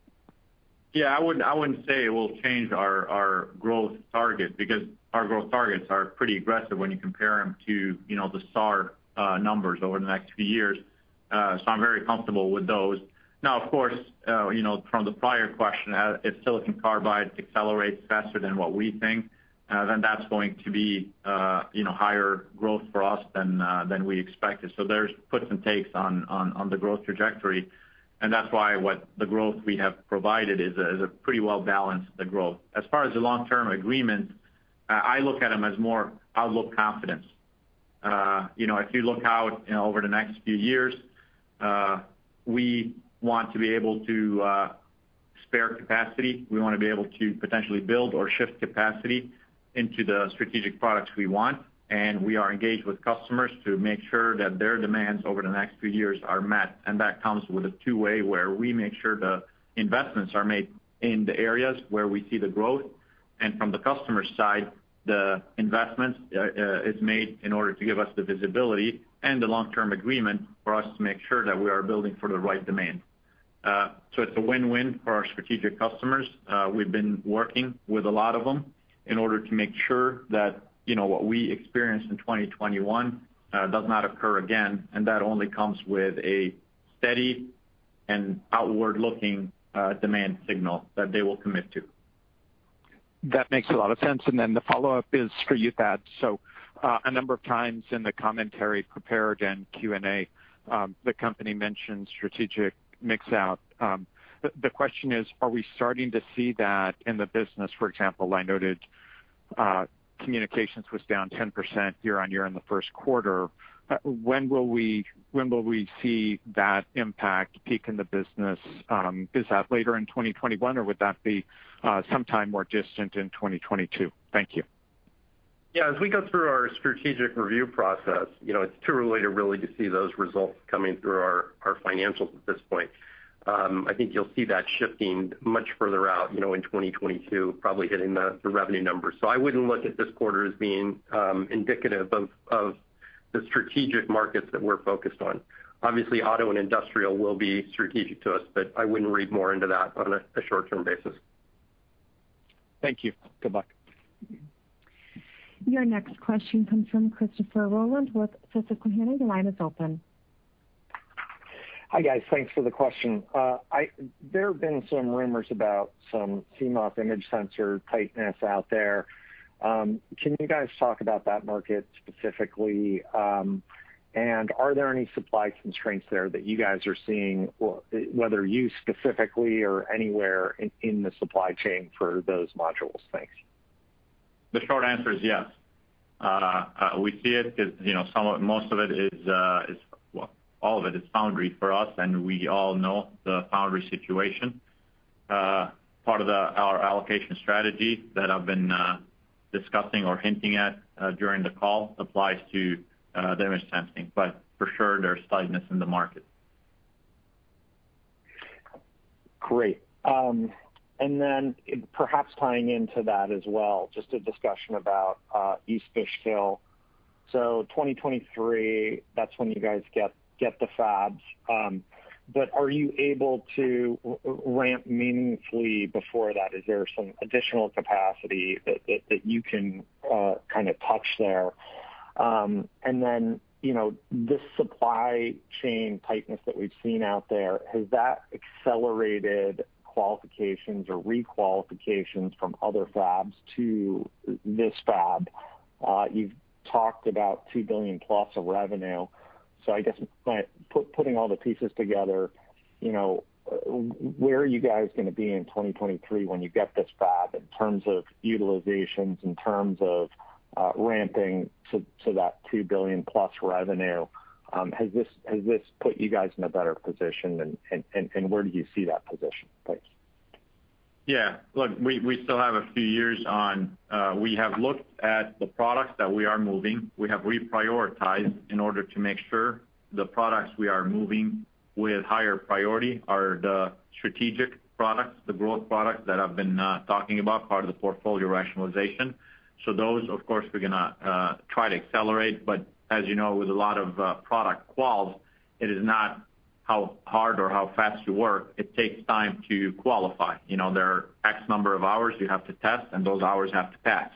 I wouldn't say it will change our growth target because our growth targets are pretty aggressive when you compare them to the SAAR numbers over the next few years. I'm very comfortable with those. Now, of course, from the prior question, if silicon carbide accelerates faster than what we think, then that's going to be higher growth for us than we expected. There's puts and takes on the growth trajectory, and that's why what the growth we have provided is a pretty well-balanced growth. As far as the long-term agreement, I look at them as more outlook confidence. If you look out over the next few years, we want to be able to spare capacity. We want to be able to potentially build or shift capacity into the strategic products we want, and we are engaged with customers to make sure that their demands over the next few years are met. That comes with a two-way where we make sure the investments are made in the areas where we see the growth, and from the customer side, the investment is made in order to give us the visibility and the long-term agreement for us to make sure that we are building for the right demand. It's a win-win for our strategic customers. We've been working with a lot of them in order to make sure that what we experienced in 2021 does not occur again, and that only comes with a steady and outward-looking demand signal that they will commit to. That makes a lot of sense. The follow-up is for you, Thad. A number of times in the commentary prepared and Q&A, the company mentioned strategic mix out. The question is, are we starting to see that in the business? For example, I noted communications was down 10% year-on-year in the first quarter. When will we see that impact peak in the business? Is that later in 2021, or would that be sometime more distant in 2022? Thank you. As we go through our strategic review process, it's too early to really see those results coming through our financials at this point. I think you'll see that shifting much further out in 2022, probably hitting the revenue numbers. I wouldn't look at this quarter as being indicative of the strategic markets that we're focused on. Obviously, auto and industrial will be strategic to us, but I wouldn't read more into that on a short-term basis. Thank you. Goodbye. Your next question comes from Christopher Rolland with Susquehanna. The line is open. Hi, guys. Thanks for the question. There have been some rumors about some CMOS image sensor tightness out there. Can you guys talk about that market specifically? Are there any supply constraints there that you guys are seeing, whether you specifically or anywhere in the supply chain for those modules? Thanks. The short answer is yes. We see it because, well, all of it is foundry for us, and we all know the foundry situation. Part of our allocation strategy that I've been discussing or hinting at during the call applies to image sensing. For sure, there's tightness in the market. Great. Perhaps tying into that as well, just a discussion about East Fishkill. 2023, that's when you guys get the fabs. Are you able to ramp meaningfully before that? Is there some additional capacity that you can kind of touch there? This supply chain tightness that we've seen out there, has that accelerated qualifications or re-qualifications from other fabs to this fab? You've talked about $2 billion+ of revenue. I guess by putting all the pieces together, where are you guys going to be in 2023 when you get this fab in terms of utilizations, in terms of ramping to that $2 billion+ revenue? Has this put you guys in a better position, and where do you see that position? Thanks. Look, we still have a few years on. We have looked at the products that we are moving. We have reprioritized in order to make sure the products we are moving with higher priority are the strategic products, the growth products that I've been talking about, part of the portfolio rationalization. Those, of course, we're going to try to accelerate, but as you know, with a lot of product quals, it is not how hard or how fast you work. It takes time to qualify. There are X number of hours you have to test, and those hours have to pass.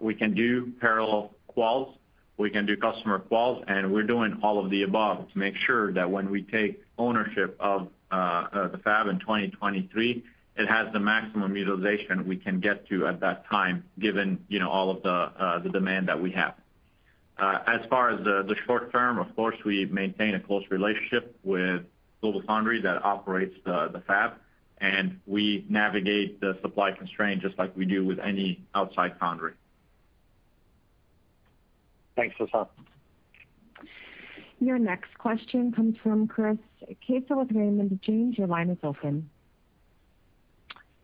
We can do parallel quals, we can do customer quals, and we're doing all of the above to make sure that when we take ownership of the fab in 2023, it has the maximum utilization we can get to at that time, given all of the demand that we have. As far as the short term, of course, we maintain a close relationship with GlobalFoundries that operates the fab, and we navigate the supply constraint just like we do with any outside foundry. Thanks, Hassane. Your next question comes from Chris Caso with Raymond James, your line is open.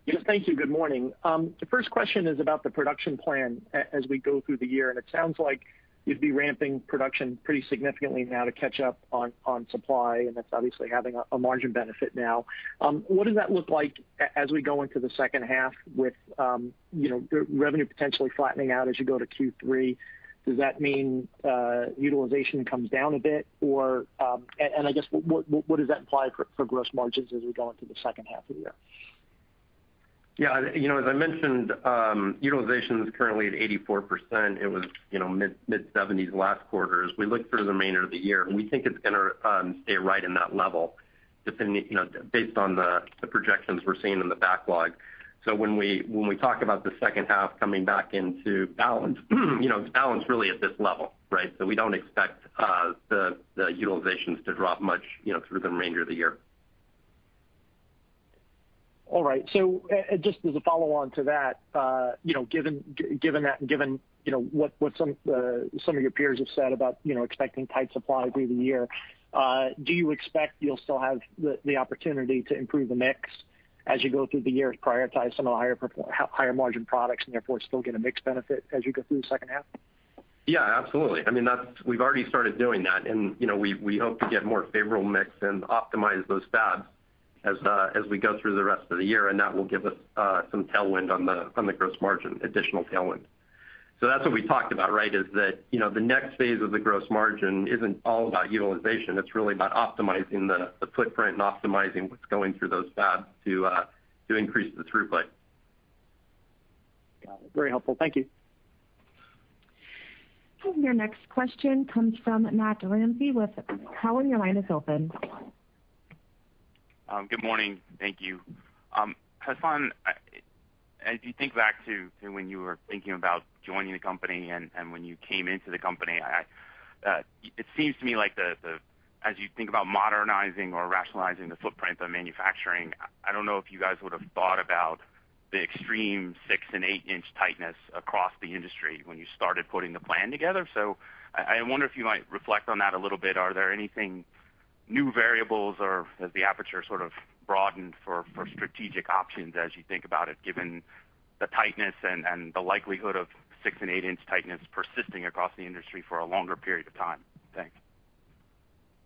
Yes. Thank you. Good morning. The first question is about the production plan as we go through the year, and it sounds like you'd be ramping production pretty significantly now to catch up on supply, and that's obviously having a margin benefit now. What does that look like as we go into the second half with revenue potentially flattening out as you go to Q3? Does that mean utilization comes down a bit, and I guess, what does that imply for gross margins as we go into the second half of the year? Yeah. As I mentioned, utilization is currently at 84%. It was mid-70s last quarter. As we look through the remainder of the year, and we think it's going to stay right in that level based on the projections we're seeing in the backlog. When we talk about the second half coming back into balance, it's balance really at this level, right? We don't expect the utilizations to drop much through the remainder of the year. All right. Just as a follow-on to that, given what some of your peers have said about expecting tight supply through the year, do you expect you'll still have the opportunity to improve the mix as you go through the year to prioritize some of the higher margin products and therefore still get a mix benefit as you go through the second half? Yeah, absolutely. We've already started doing that, and we hope to get more favorable mix and optimize those fabs as we go through the rest of the year, and that will give us some tailwind on the gross margin, additional tailwind. That's what we talked about, right, is that the next phase of the gross margin isn't all about utilization. It's really about optimizing the footprint and optimizing what's going through those fabs to increase the throughput. Got it. Very helpful. Thank you. Your next question comes from Matt Ramsay with Cowen. Your line is open. Good morning. Thank you. Hassane, as you think back to when you were thinking about joining the company and when you came into the company, it seems to me like as you think about modernizing or rationalizing the footprint of manufacturing, I don't know if you guys would've thought about the extreme 6 and 8-inch tightness across the industry when you started putting the plan together. I wonder if you might reflect on that a little bit. Are there anything new variables, or has the aperture sort of broadened for strategic options as you think about it, given the tightness and the likelihood of 6 and 8-inch tightness persisting across the industry for a longer period of time? Thanks.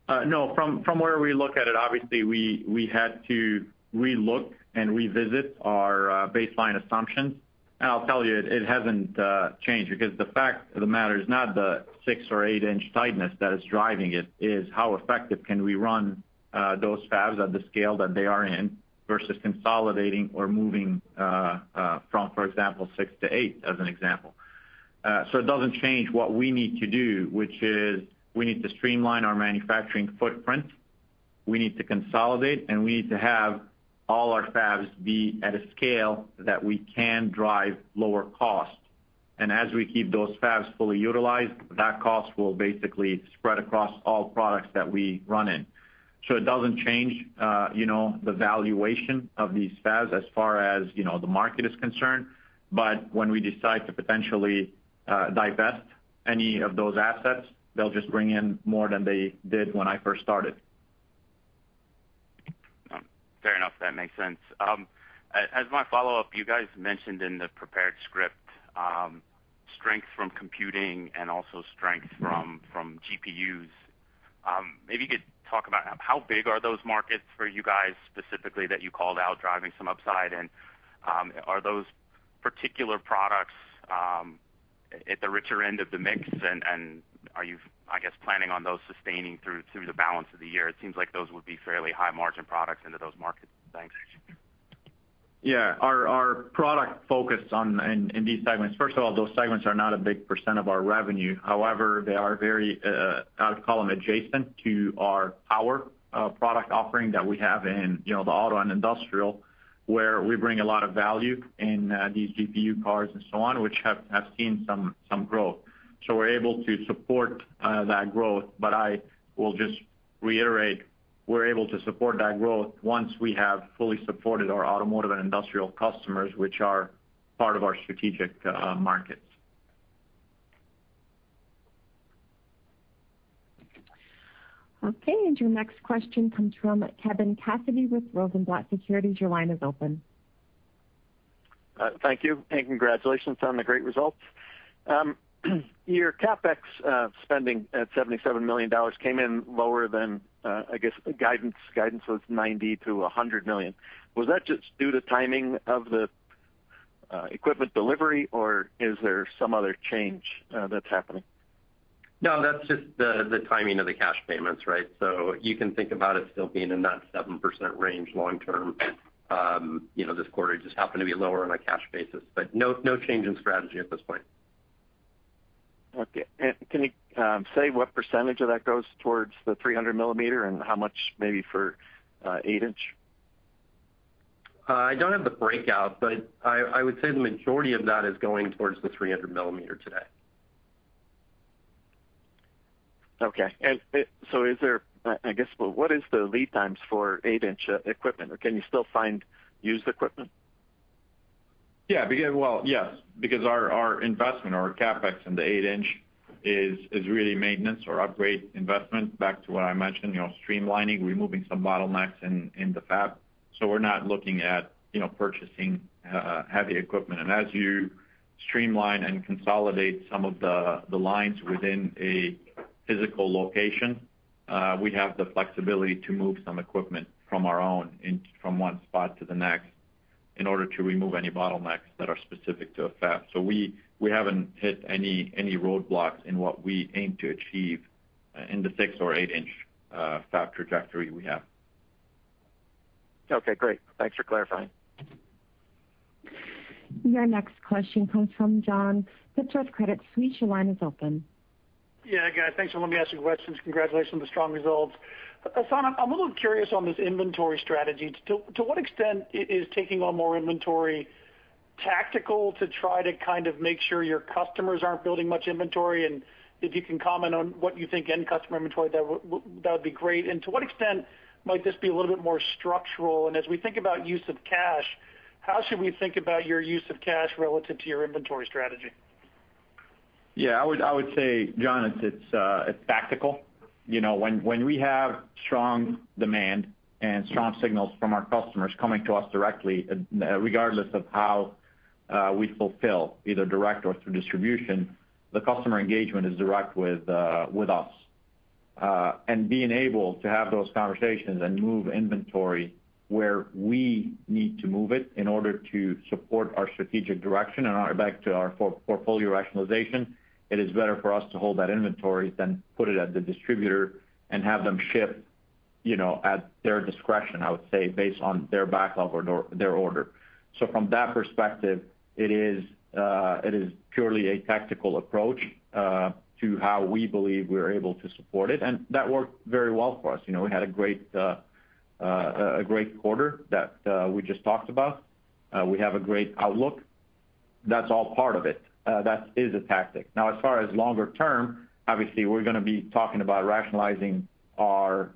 From where we look at it, obviously, we had to re-look and revisit our baseline assumptions. I'll tell you, it hasn't changed because the fact of the matter is not the 6 or 8-inch tightness that is driving it. It is how effective can we run those fabs at the scale that they are in versus consolidating or moving from, for example, 6 to 8 as an example. It doesn't change what we need to do, which is we need to streamline our manufacturing footprint. We need to consolidate, and we need to have all our fabs be at a scale that we can drive lower cost. As we keep those fabs fully utilized, that cost will basically spread across all products that we run in. It doesn't change the valuation of these fabs as far as the market is concerned. When we decide to potentially divest any of those assets, they'll just bring in more than they did when I first started. Fair enough. That makes sense. As my follow-up, you guys mentioned in the prepared script, strength from computing and also strength from GPUs. Maybe you could talk about how big are those markets for you guys specifically that you called out driving some upside, and are those particular products at the richer end of the mix, and are you, I guess, planning on those sustaining through the balance of the year? It seems like those would be fairly high margin products into those markets. Thanks. Yeah. Our product focus in these segments, first of all, those segments are not a big percent of our revenue. However, they are very, I would call them adjacent to our power product offering that we have in the auto and industrial, where we bring a lot of value in these GPU cars and so on, which have seen some growth. We're able to support that growth. I will just reiterate, we're able to support that growth once we have fully supported our automotive and industrial customers, which are part of our strategic markets. Okay. Your next question comes from Kevin Cassidy with Rosenblatt Securities. Your line is open. Thank you, and congratulations on the great results. Your CapEx spending at $77 million came in lower than, I guess, guidance. Guidance was $90 million-$100 million. Was that just due to timing of the equipment delivery, or is there some other change that's happening? No, that's just the timing of the cash payments, right? You can think about it still being in that 7% range long-term. This quarter, it just happened to be lower on a cash basis, no change in strategy at this point. Okay. Can you say what percentage of that goes towards the 300 mm and how much maybe for 8-inch? I don't have the breakout, but I would say the majority of that is going towards the 300 mm today. Okay. I guess, what is the lead times for 8-inch equipment, or can you still find used equipment? Well, yes because our investment or our CapEx in the 8-inch is really maintenance or upgrade investment back to what I mentioned, streamlining, removing some bottlenecks in the fab. We're not looking at purchasing heavy equipment. As you streamline and consolidate some of the lines within a physical location, we have the flexibility to move some equipment from our own, from one spot to the next in order to remove any bottlenecks that are specific to a fab. We haven't hit any roadblocks in what we aim to achieve in the 6 or 8-inch fab trajectory we have. Okay, great. Thanks for clarifying. Your next question comes from John Pitzer, Credit Suisse. Your line is open. Yeah, guys, thanks for letting me ask some questions. Congratulations on the strong results. Hassane, I'm a little curious on this inventory strategy. To what extent is taking on more inventory tactical to try to kind of make sure your customers aren't building much inventory? If you can comment on what you think end customer inventory, that would be great. To what extent might this be a little bit more structural? As we think about use of cash, how should we think about your use of cash relative to your inventory strategy? Yeah, I would say, John, it's tactical. When we have strong demand and strong signals from our customers coming to us directly, regardless of how we fulfill, either direct or through distribution, the customer engagement is direct with us. Being able to have those conversations and move inventory where we need to move it in order to support our strategic direction and back to our portfolio rationalization, it is better for us to hold that inventory than put it at the distributor and have them ship at their discretion, I would say, based on their backlog or their order. From that perspective, it is purely a tactical approach to how we believe we are able to support it, and that worked very well for us. We had a great quarter that we just talked about. We have a great outlook. That's all part of it. That is a tactic. As far as longer term, obviously, we're going to be talking about rationalizing our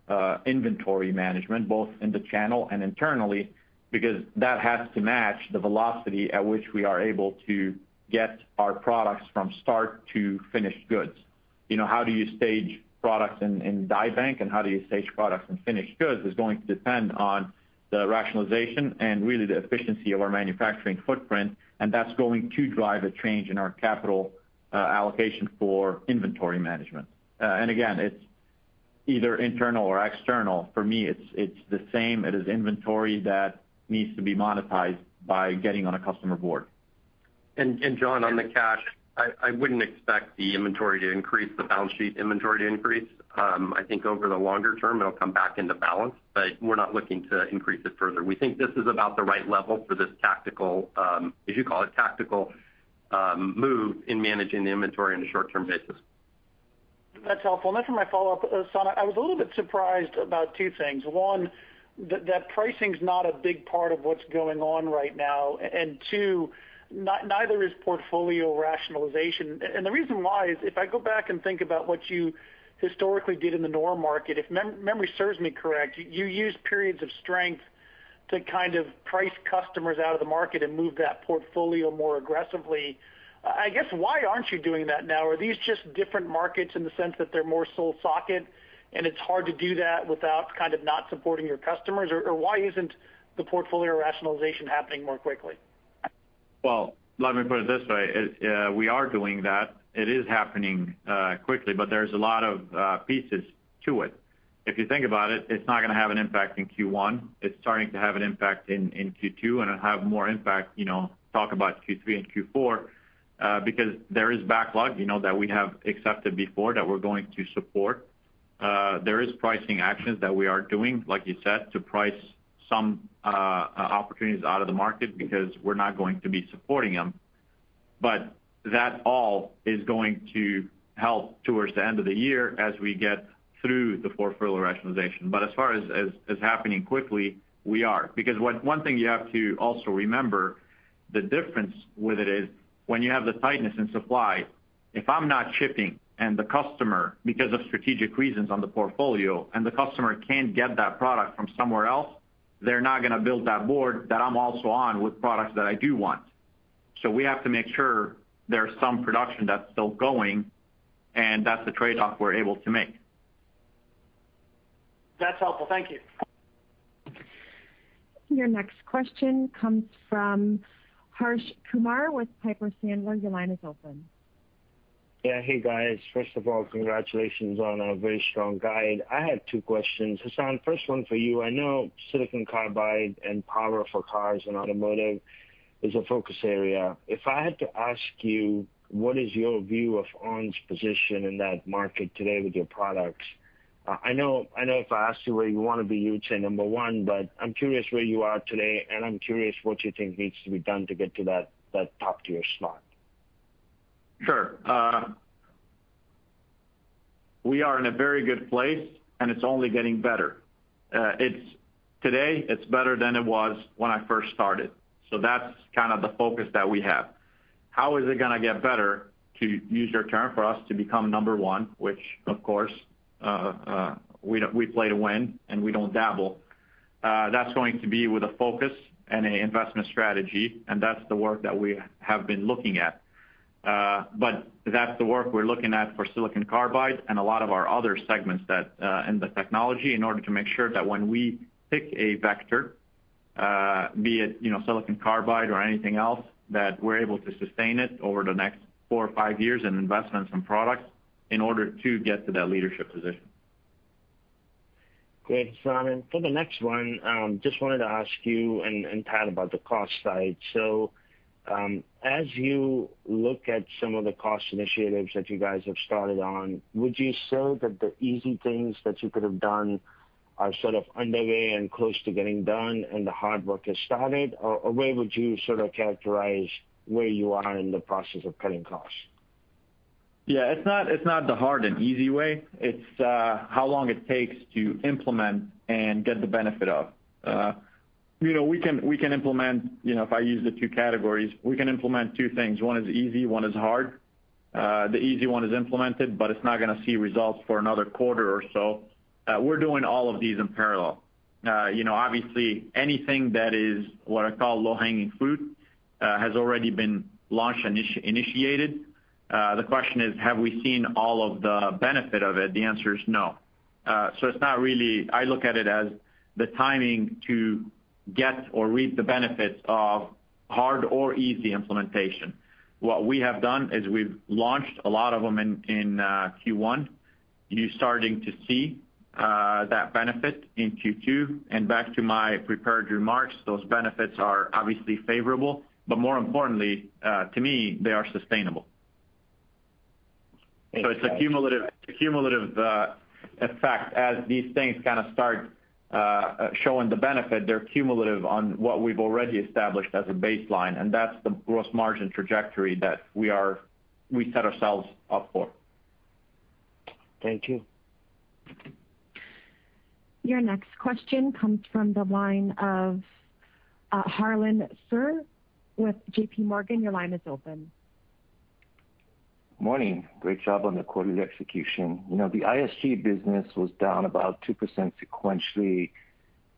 inventory management, both in the channel and internally, because that has to match the velocity at which we are able to get our products from start to finished goods. How do you stage products in die bank and how do you stage products in finished goods is going to depend on the rationalization and really the efficiency of our manufacturing footprint, and that's going to drive a change in our capital allocation for inventory management. Again, it's either internal or external. For me, it's the same. It is inventory that needs to be monetized by getting on a customer board. John, on the cash, I wouldn't expect the inventory to increase, the balance sheet inventory to increase. I think over the longer term, it'll come back into balance, but we're not looking to increase it further. We think this is about the right level for this tactical, if you call it tactical, move in managing the inventory on a short-term basis. That's helpful, and that's my follow-up. Hassane, I was a little bit surprised about two things. One, that pricing's not a big part of what's going on right now, and two, neither is portfolio rationalization. The reason why is if I go back and think about what you historically did in the NOR market, if memory serves me correct, you used periods of strength to kind of price customers out of the market and move that portfolio more aggressively. I guess, why aren't you doing that now? Are these just different markets in the sense that they're more sole socket and it's hard to do that without kind of not supporting your customers? Why isn't the portfolio rationalization happening more quickly? Well, let me put it this way. We are doing that. It is happening quickly, but there's a lot of pieces to it. If you think about it's not going to have an impact in Q1. It's starting to have an impact in Q2, and it'll have more impact, talk about Q3 and Q4, because there is backlog that we have accepted before that we're going to support. There is pricing actions that we are doing, like you said, to price some opportunities out of the market because we're not going to be supporting them. That all is going to help towards the end of the year as we get through the portfolio rationalization. As far as it's happening quickly, we are. One thing you have to also remember, the difference with it is when you have the tightness in supply, if I'm not shipping and the customer, because of strategic reasons on the portfolio, and the customer can't get that product from somewhere else, they're not going to build that board that I'm also on with products that I do want. We have to make sure there's some production that's still going, and that's the trade-off we're able to make. That's helpful. Thank you. Your next question comes from Harsh Kumar with Piper Sandler. Your line is open. Yeah. Hey, guys. First of all, congratulations on a very strong guide. I had two questions. Hassane, first one for you. I know silicon carbide and power for cars and automotive is a focus area. If I had to ask you, what is your view of ON's position in that market today with your products? I know if I asked you where you want to be, you would say number one. I'm curious where you are today, and I'm curious what you think needs to be done to get to that top-tier slot. Sure. We are in a very good place, and it's only getting better. Today, it's better than it was when I first started. That's kind of the focus that we have. How is it going to get better, to use your term, for us to become number one, which of course, we play to win and we don't dabble. That's going to be with a focus and an investment strategy, and that's the work that we have been looking at. That's the work we're looking at for silicon carbide and a lot of our other segments and the technology in order to make sure that when we pick a vector, be it silicon carbide or anything else, that we're able to sustain it over the next four or five years in investments and products in order to get to that leadership position. Great, Hassane. For the next one, just wanted to ask you and Thad about the cost side. As you look at some of the cost initiatives that you guys have started on, would you say that the easy things that you could have done are sort of underway and close to getting done and the hard work has started? Where would you sort of characterize where you are in the process of cutting costs? Yeah, it is not the hard and easy way. It is how long it takes to implement and get the benefit of. If I use the two categories, we can implement two things. One is easy, one is hard. The easy one is implemented, but it is not going to see results for another quarter or so. We are doing all of these in parallel. Obviously, anything that is what I call low-hanging fruit has already been launched and initiated. The question is, have we seen all of the benefit of it? The answer is no. I look at it as the timing to get or reap the benefits of hard or easy implementation. What we have done is we have launched a lot of them in Q1. You are starting to see that benefit in Q2. Back to my prepared remarks, those benefits are obviously favorable, but more importantly, to me, they are sustainable. It's a cumulative effect. As these things kind of start showing the benefit, they're cumulative on what we've already established as a baseline, and that's the gross margin trajectory that we set ourselves up for. Thank you. Your next question comes from the line of Harlan Sur with J.P. Morgan. Your line is open. Morning. Great job on the quarter's execution. The ISG business was down about 2% sequentially.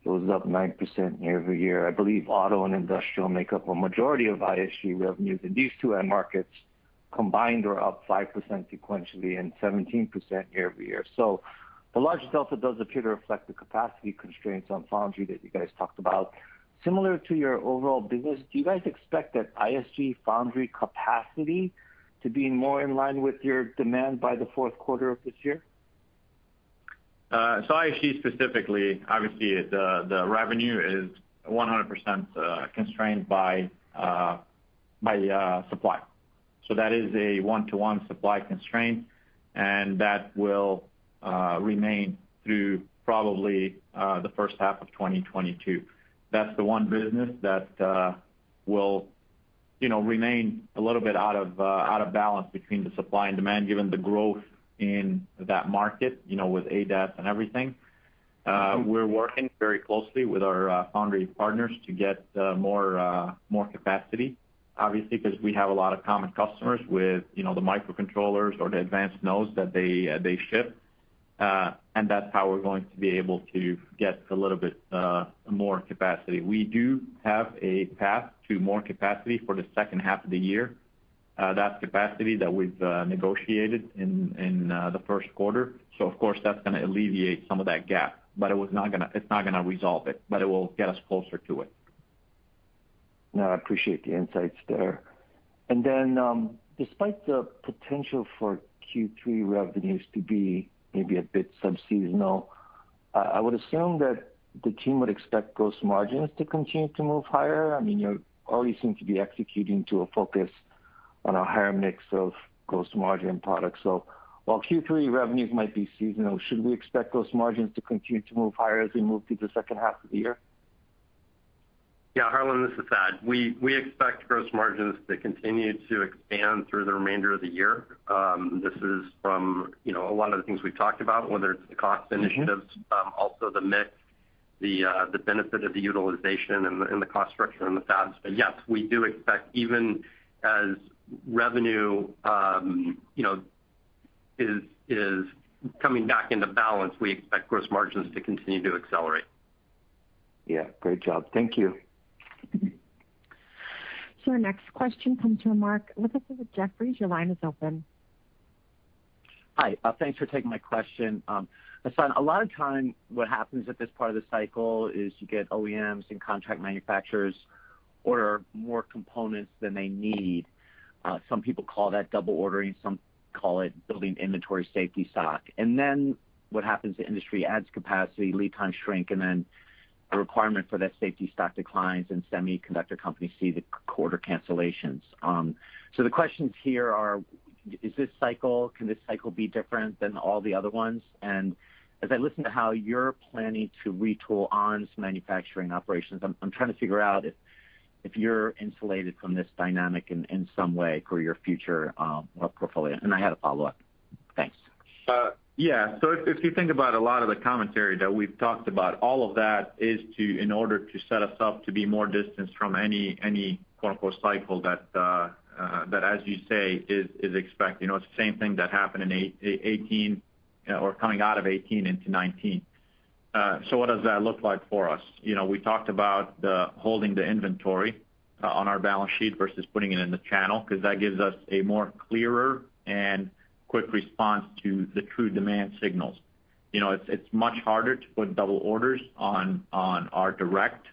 It was up 9% year-over-year. I believe auto and industrial make up a majority of ISG revenues, and these two end markets combined are up 5% sequentially and 17% year-over-year. The largest alpha does appear to reflect the capacity constraints on foundry that you guys talked about. Similar to your overall business, do you guys expect that ISG foundry capacity to be more in line with your demand by the fourth quarter of this year? ISG specifically, obviously, the revenue is 100% constrained by supply. That is a one-to-one supply constraint, and that will remain through probably the first half of 2022. That's the one business that will remain a little bit out of balance between the supply and demand, given the growth in that market with ADAS and everything. We're working very closely with our foundry partners to get more capacity, obviously, because we have a lot of common customers with the microcontrollers or the advanced nodes that they ship. That's how we're going to be able to get a little bit more capacity. We do have a path to more capacity for the second half of the year. That's capacity that we've negotiated in the first quarter. Of course, that's going to alleviate some of that gap. It's not going to resolve it, but it will get us closer to it. No, I appreciate the insights there. Despite the potential for Q3 revenues to be maybe a bit sub-seasonal, I would assume that the team would expect gross margins to continue to move higher. You already seem to be executing to a focus on a higher mix of gross margin products. While Q3 revenues might be seasonal, should we expect those margins to continue to move higher as we move through the second half of the year? Yeah, Harlan, this is Thad. We expect gross margins to continue to expand through the remainder of the year. This is from a lot of the things we've talked about, whether it's the cost initiatives, also the mix, the benefit of the utilization and the cost structure in the fabs. Yes, we do expect, even as revenue is coming back into balance, we expect gross margins to continue to accelerate. Yeah. Great job. Thank you. Our next question comes from Mark Lipacis with Jefferies. Your line is open. Hi. Thanks for taking my question. Hassane, a lot of time what happens at this part of the cycle is you get OEMs and contract manufacturers order more components than they need. Some people call that double ordering, some call it building inventory safety stock. What happens, the industry adds capacity, lead times shrink, and then the requirement for that safety stock declines, and semiconductor companies see the quarter cancellations. The questions here are, can this cycle be different than all the other ones? As I listen to how you're planning to retool ON's manufacturing operations, I'm trying to figure out if you're insulated from this dynamic in some way for your future portfolio. I had a follow-up. Thanks. Yeah. If you think about a lot of the commentary that we've talked about, all of that is in order to set us up to be more distanced from any "cycle" that, as you say, is expected. It's the same thing that happened in 2018 or coming out of 2018 into 2019. What does that look like for us? We talked about holding the inventory on our balance sheet versus putting it in the channel, because that gives us a more clearer and quick response to the true demand signals. It's much harder to put double orders on our direct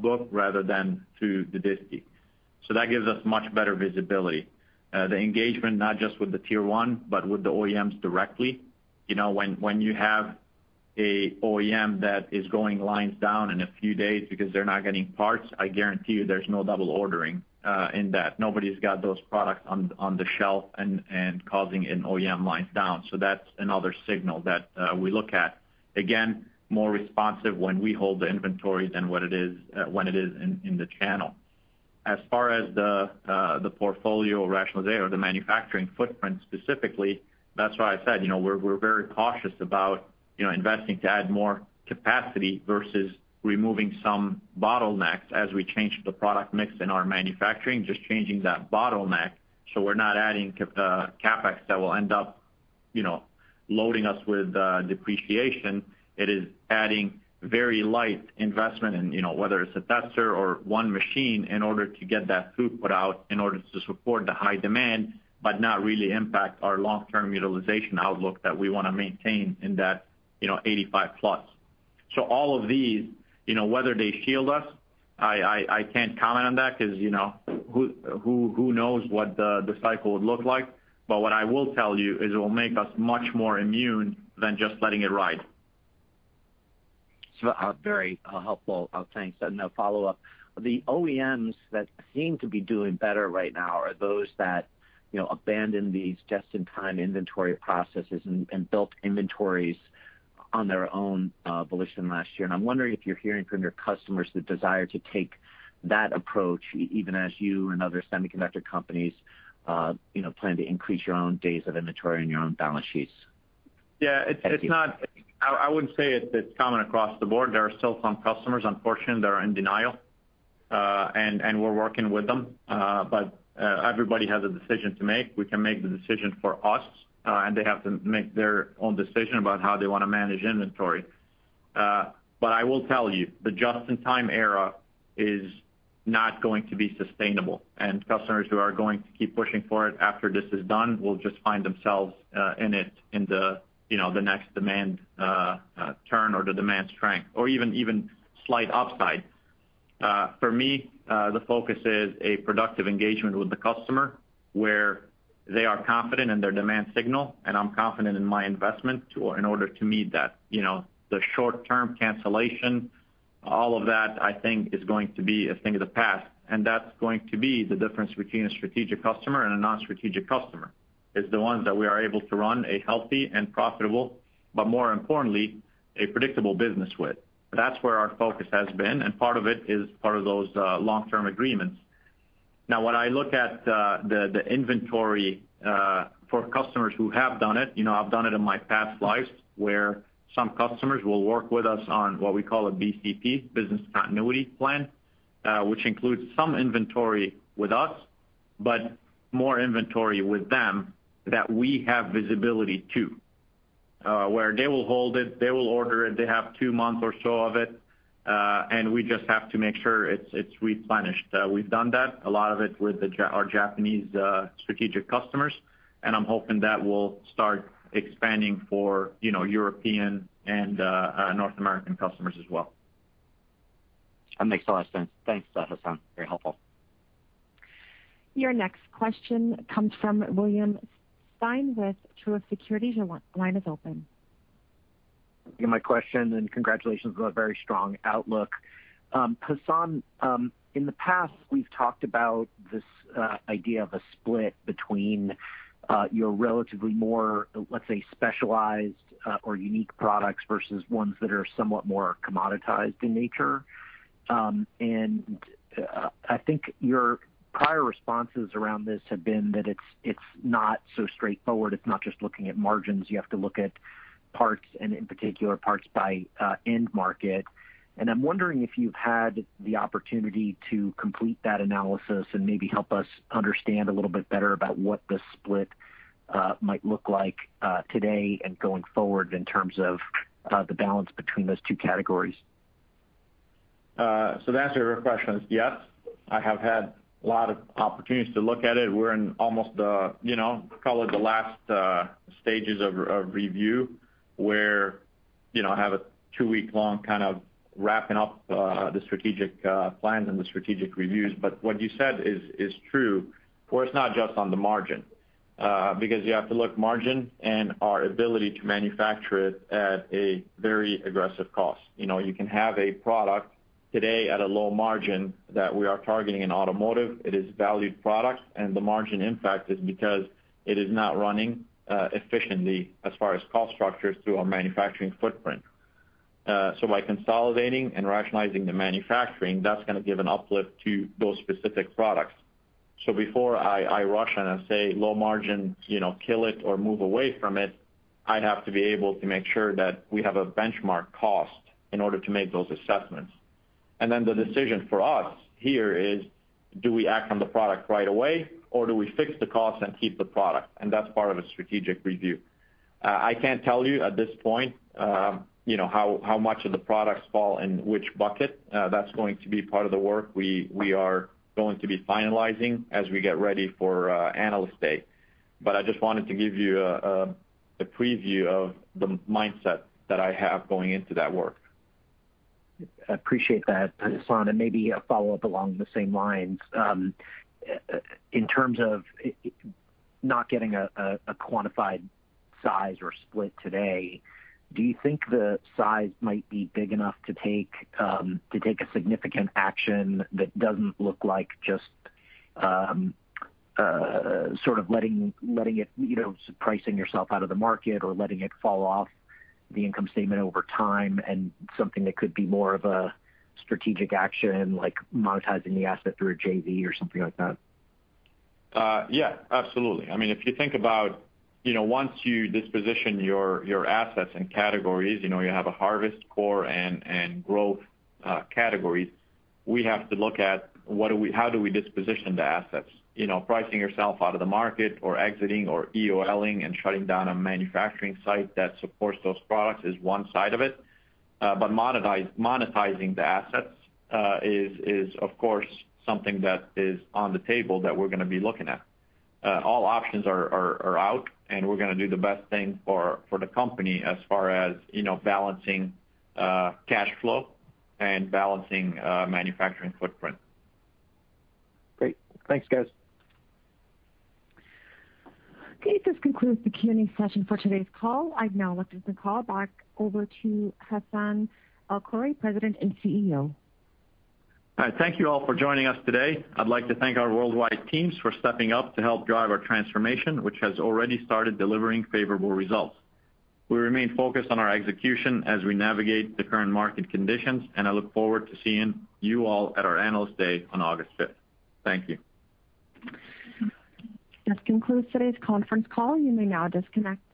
book rather than through the disti. That gives us much better visibility. The engagement, not just with the Tier 1, but with the OEMs directly. When you have a OEM that is going lines down in a few days because they're not getting parts, I guarantee you there's no double ordering in that. Nobody's got those products on the shelf and causing an OEM lines down. That's another signal that we look at. Again, more responsive when we hold the inventory than when it is in the channel. As far as the portfolio rationale there, or the manufacturing footprint specifically, that's why I said we're very cautious about investing to add more capacity versus removing some bottlenecks as we change the product mix in our manufacturing, just changing that bottleneck so we're not adding CapEx that will end up loading us with depreciation. It is adding very light investment in, whether it's a tester or one machine in order to get that throughput out in order to support the high demand, but not really impact our long-term utilization outlook that we want to maintain in that 85+. All of these, whether they shield us, I can't comment on that because who knows what the cycle would look like. What I will tell you is it will make us much more immune than just letting it ride. Very helpful. Thanks. A follow-up. The OEMs that seem to be doing better right now are those that abandoned these just-in-time inventory processes and built inventories on their own volition last year, and I'm wondering if you're hearing from your customers the desire to take that approach, even as you and other semiconductor companies plan to increase your own days of inventory on your own balance sheets. Yeah. I wouldn't say it's common across the board. There are still some customers, unfortunately, that are in denial, and we're working with them. Everybody has a decision to make. We can make the decision for us, and they have to make their own decision about how they want to manage inventory. I will tell you, the just-in-time era is not going to be sustainable, and customers who are going to keep pushing for it after this is done will just find themselves in it in the next demand turn or the demand strength or even slight upside. For me, the focus is a productive engagement with the customer, where they are confident in their demand signal, and I'm confident in my investment in order to meet that. The short-term cancellation, all of that, I think is going to be a thing of the past, and that's going to be the difference between a strategic customer and a non-strategic customer. It's the ones that we are able to run a healthy and profitable, but more importantly, a predictable business with. That's where our focus has been, and part of it is part of those long-term agreements. When I look at the inventory for customers who have done it, I've done it in my past life, where some customers will work with us on what we call a BCP, business continuity plan, which includes some inventory with us, but more inventory with them that we have visibility to. Where they will hold it, they will order it, they have two months or so of it, and we just have to make sure it's replenished. We've done that, a lot of it with our Japanese strategic customers, and I'm hoping that will start expanding for European and North American customers as well. That makes a lot of sense. Thanks, Hassane. Very helpful. Your next question comes from William Stein with Truist Securities. Your line is open. Thank you for my question, and congratulations on a very strong outlook. Hassane, in the past, we've talked about this idea of a split between your relatively more, let's say, specialized or unique products versus ones that are somewhat more commoditized in nature. I think your prior responses around this have been that it's not so straightforward. It's not just looking at margins. You have to look at parts, and in particular, parts by end market. I'm wondering if you've had the opportunity to complete that analysis and maybe help us understand a little bit better about what the split might look like today and going forward in terms of the balance between those two categories. The answer to your question is yes, I have had a lot of opportunities to look at it. We're in almost probably the last stages of review, where I have a two-week long kind of wrapping up the strategic plans and the strategic reviews. What you said is true, for it's not just on the margin, because you have to look margin and our ability to manufacture it at a very aggressive cost. You can have a product today at a low margin that we are targeting in automotive. It is valued product, and the margin impact is because it is not running efficiently as far as cost structures through our manufacturing footprint. By consolidating and rationalizing the manufacturing, that's going to give an uplift to those specific products. Before I rush and I say low margin, kill it or move away from it, I'd have to be able to make sure that we have a benchmark cost in order to make those assessments. The decision for us here is, do we act on the product right away, or do we fix the cost and keep the product? That's part of a strategic review. I can't tell you at this point how much of the products fall in which bucket. That's going to be part of the work we are going to be finalizing as we get ready for Analyst Day. I just wanted to give you a preview of the mindset that I have going into that work. I appreciate that, Hassane, and maybe a follow-up along the same lines. In terms of not getting a quantified size or split today, do you think the size might be big enough to take a significant action that doesn't look like just sort of pricing yourself out of the market or letting it fall off the income statement over time and something that could be more of a strategic action, like monetizing the asset through a JV or something like that? Yeah, absolutely. If you think about once you disposition your assets and categories, you have a harvest core and growth categories. We have to look at how do we disposition the assets. Pricing yourself out of the market or exiting or EOL-ing and shutting down a manufacturing site that supports those products is one side of it. Monetizing the assets is of course, something that is on the table that we're going to be looking at. All options are out, we're going to do the best thing for the company as far as balancing cash flow and balancing manufacturing footprint. Great. Thanks, guys. Okay, this concludes the Q&A session for today's call. I'd now like to turn the call back over to Hassane El-Khoury, President and CEO. All right. Thank you all for joining us today. I'd like to thank our worldwide teams for stepping up to help drive our transformation, which has already started delivering favorable results. We remain focused on our execution as we navigate the current market conditions, and I look forward to seeing you all at our Analyst Day on August 5th. Thank you. This concludes today's conference call. You may now disconnect.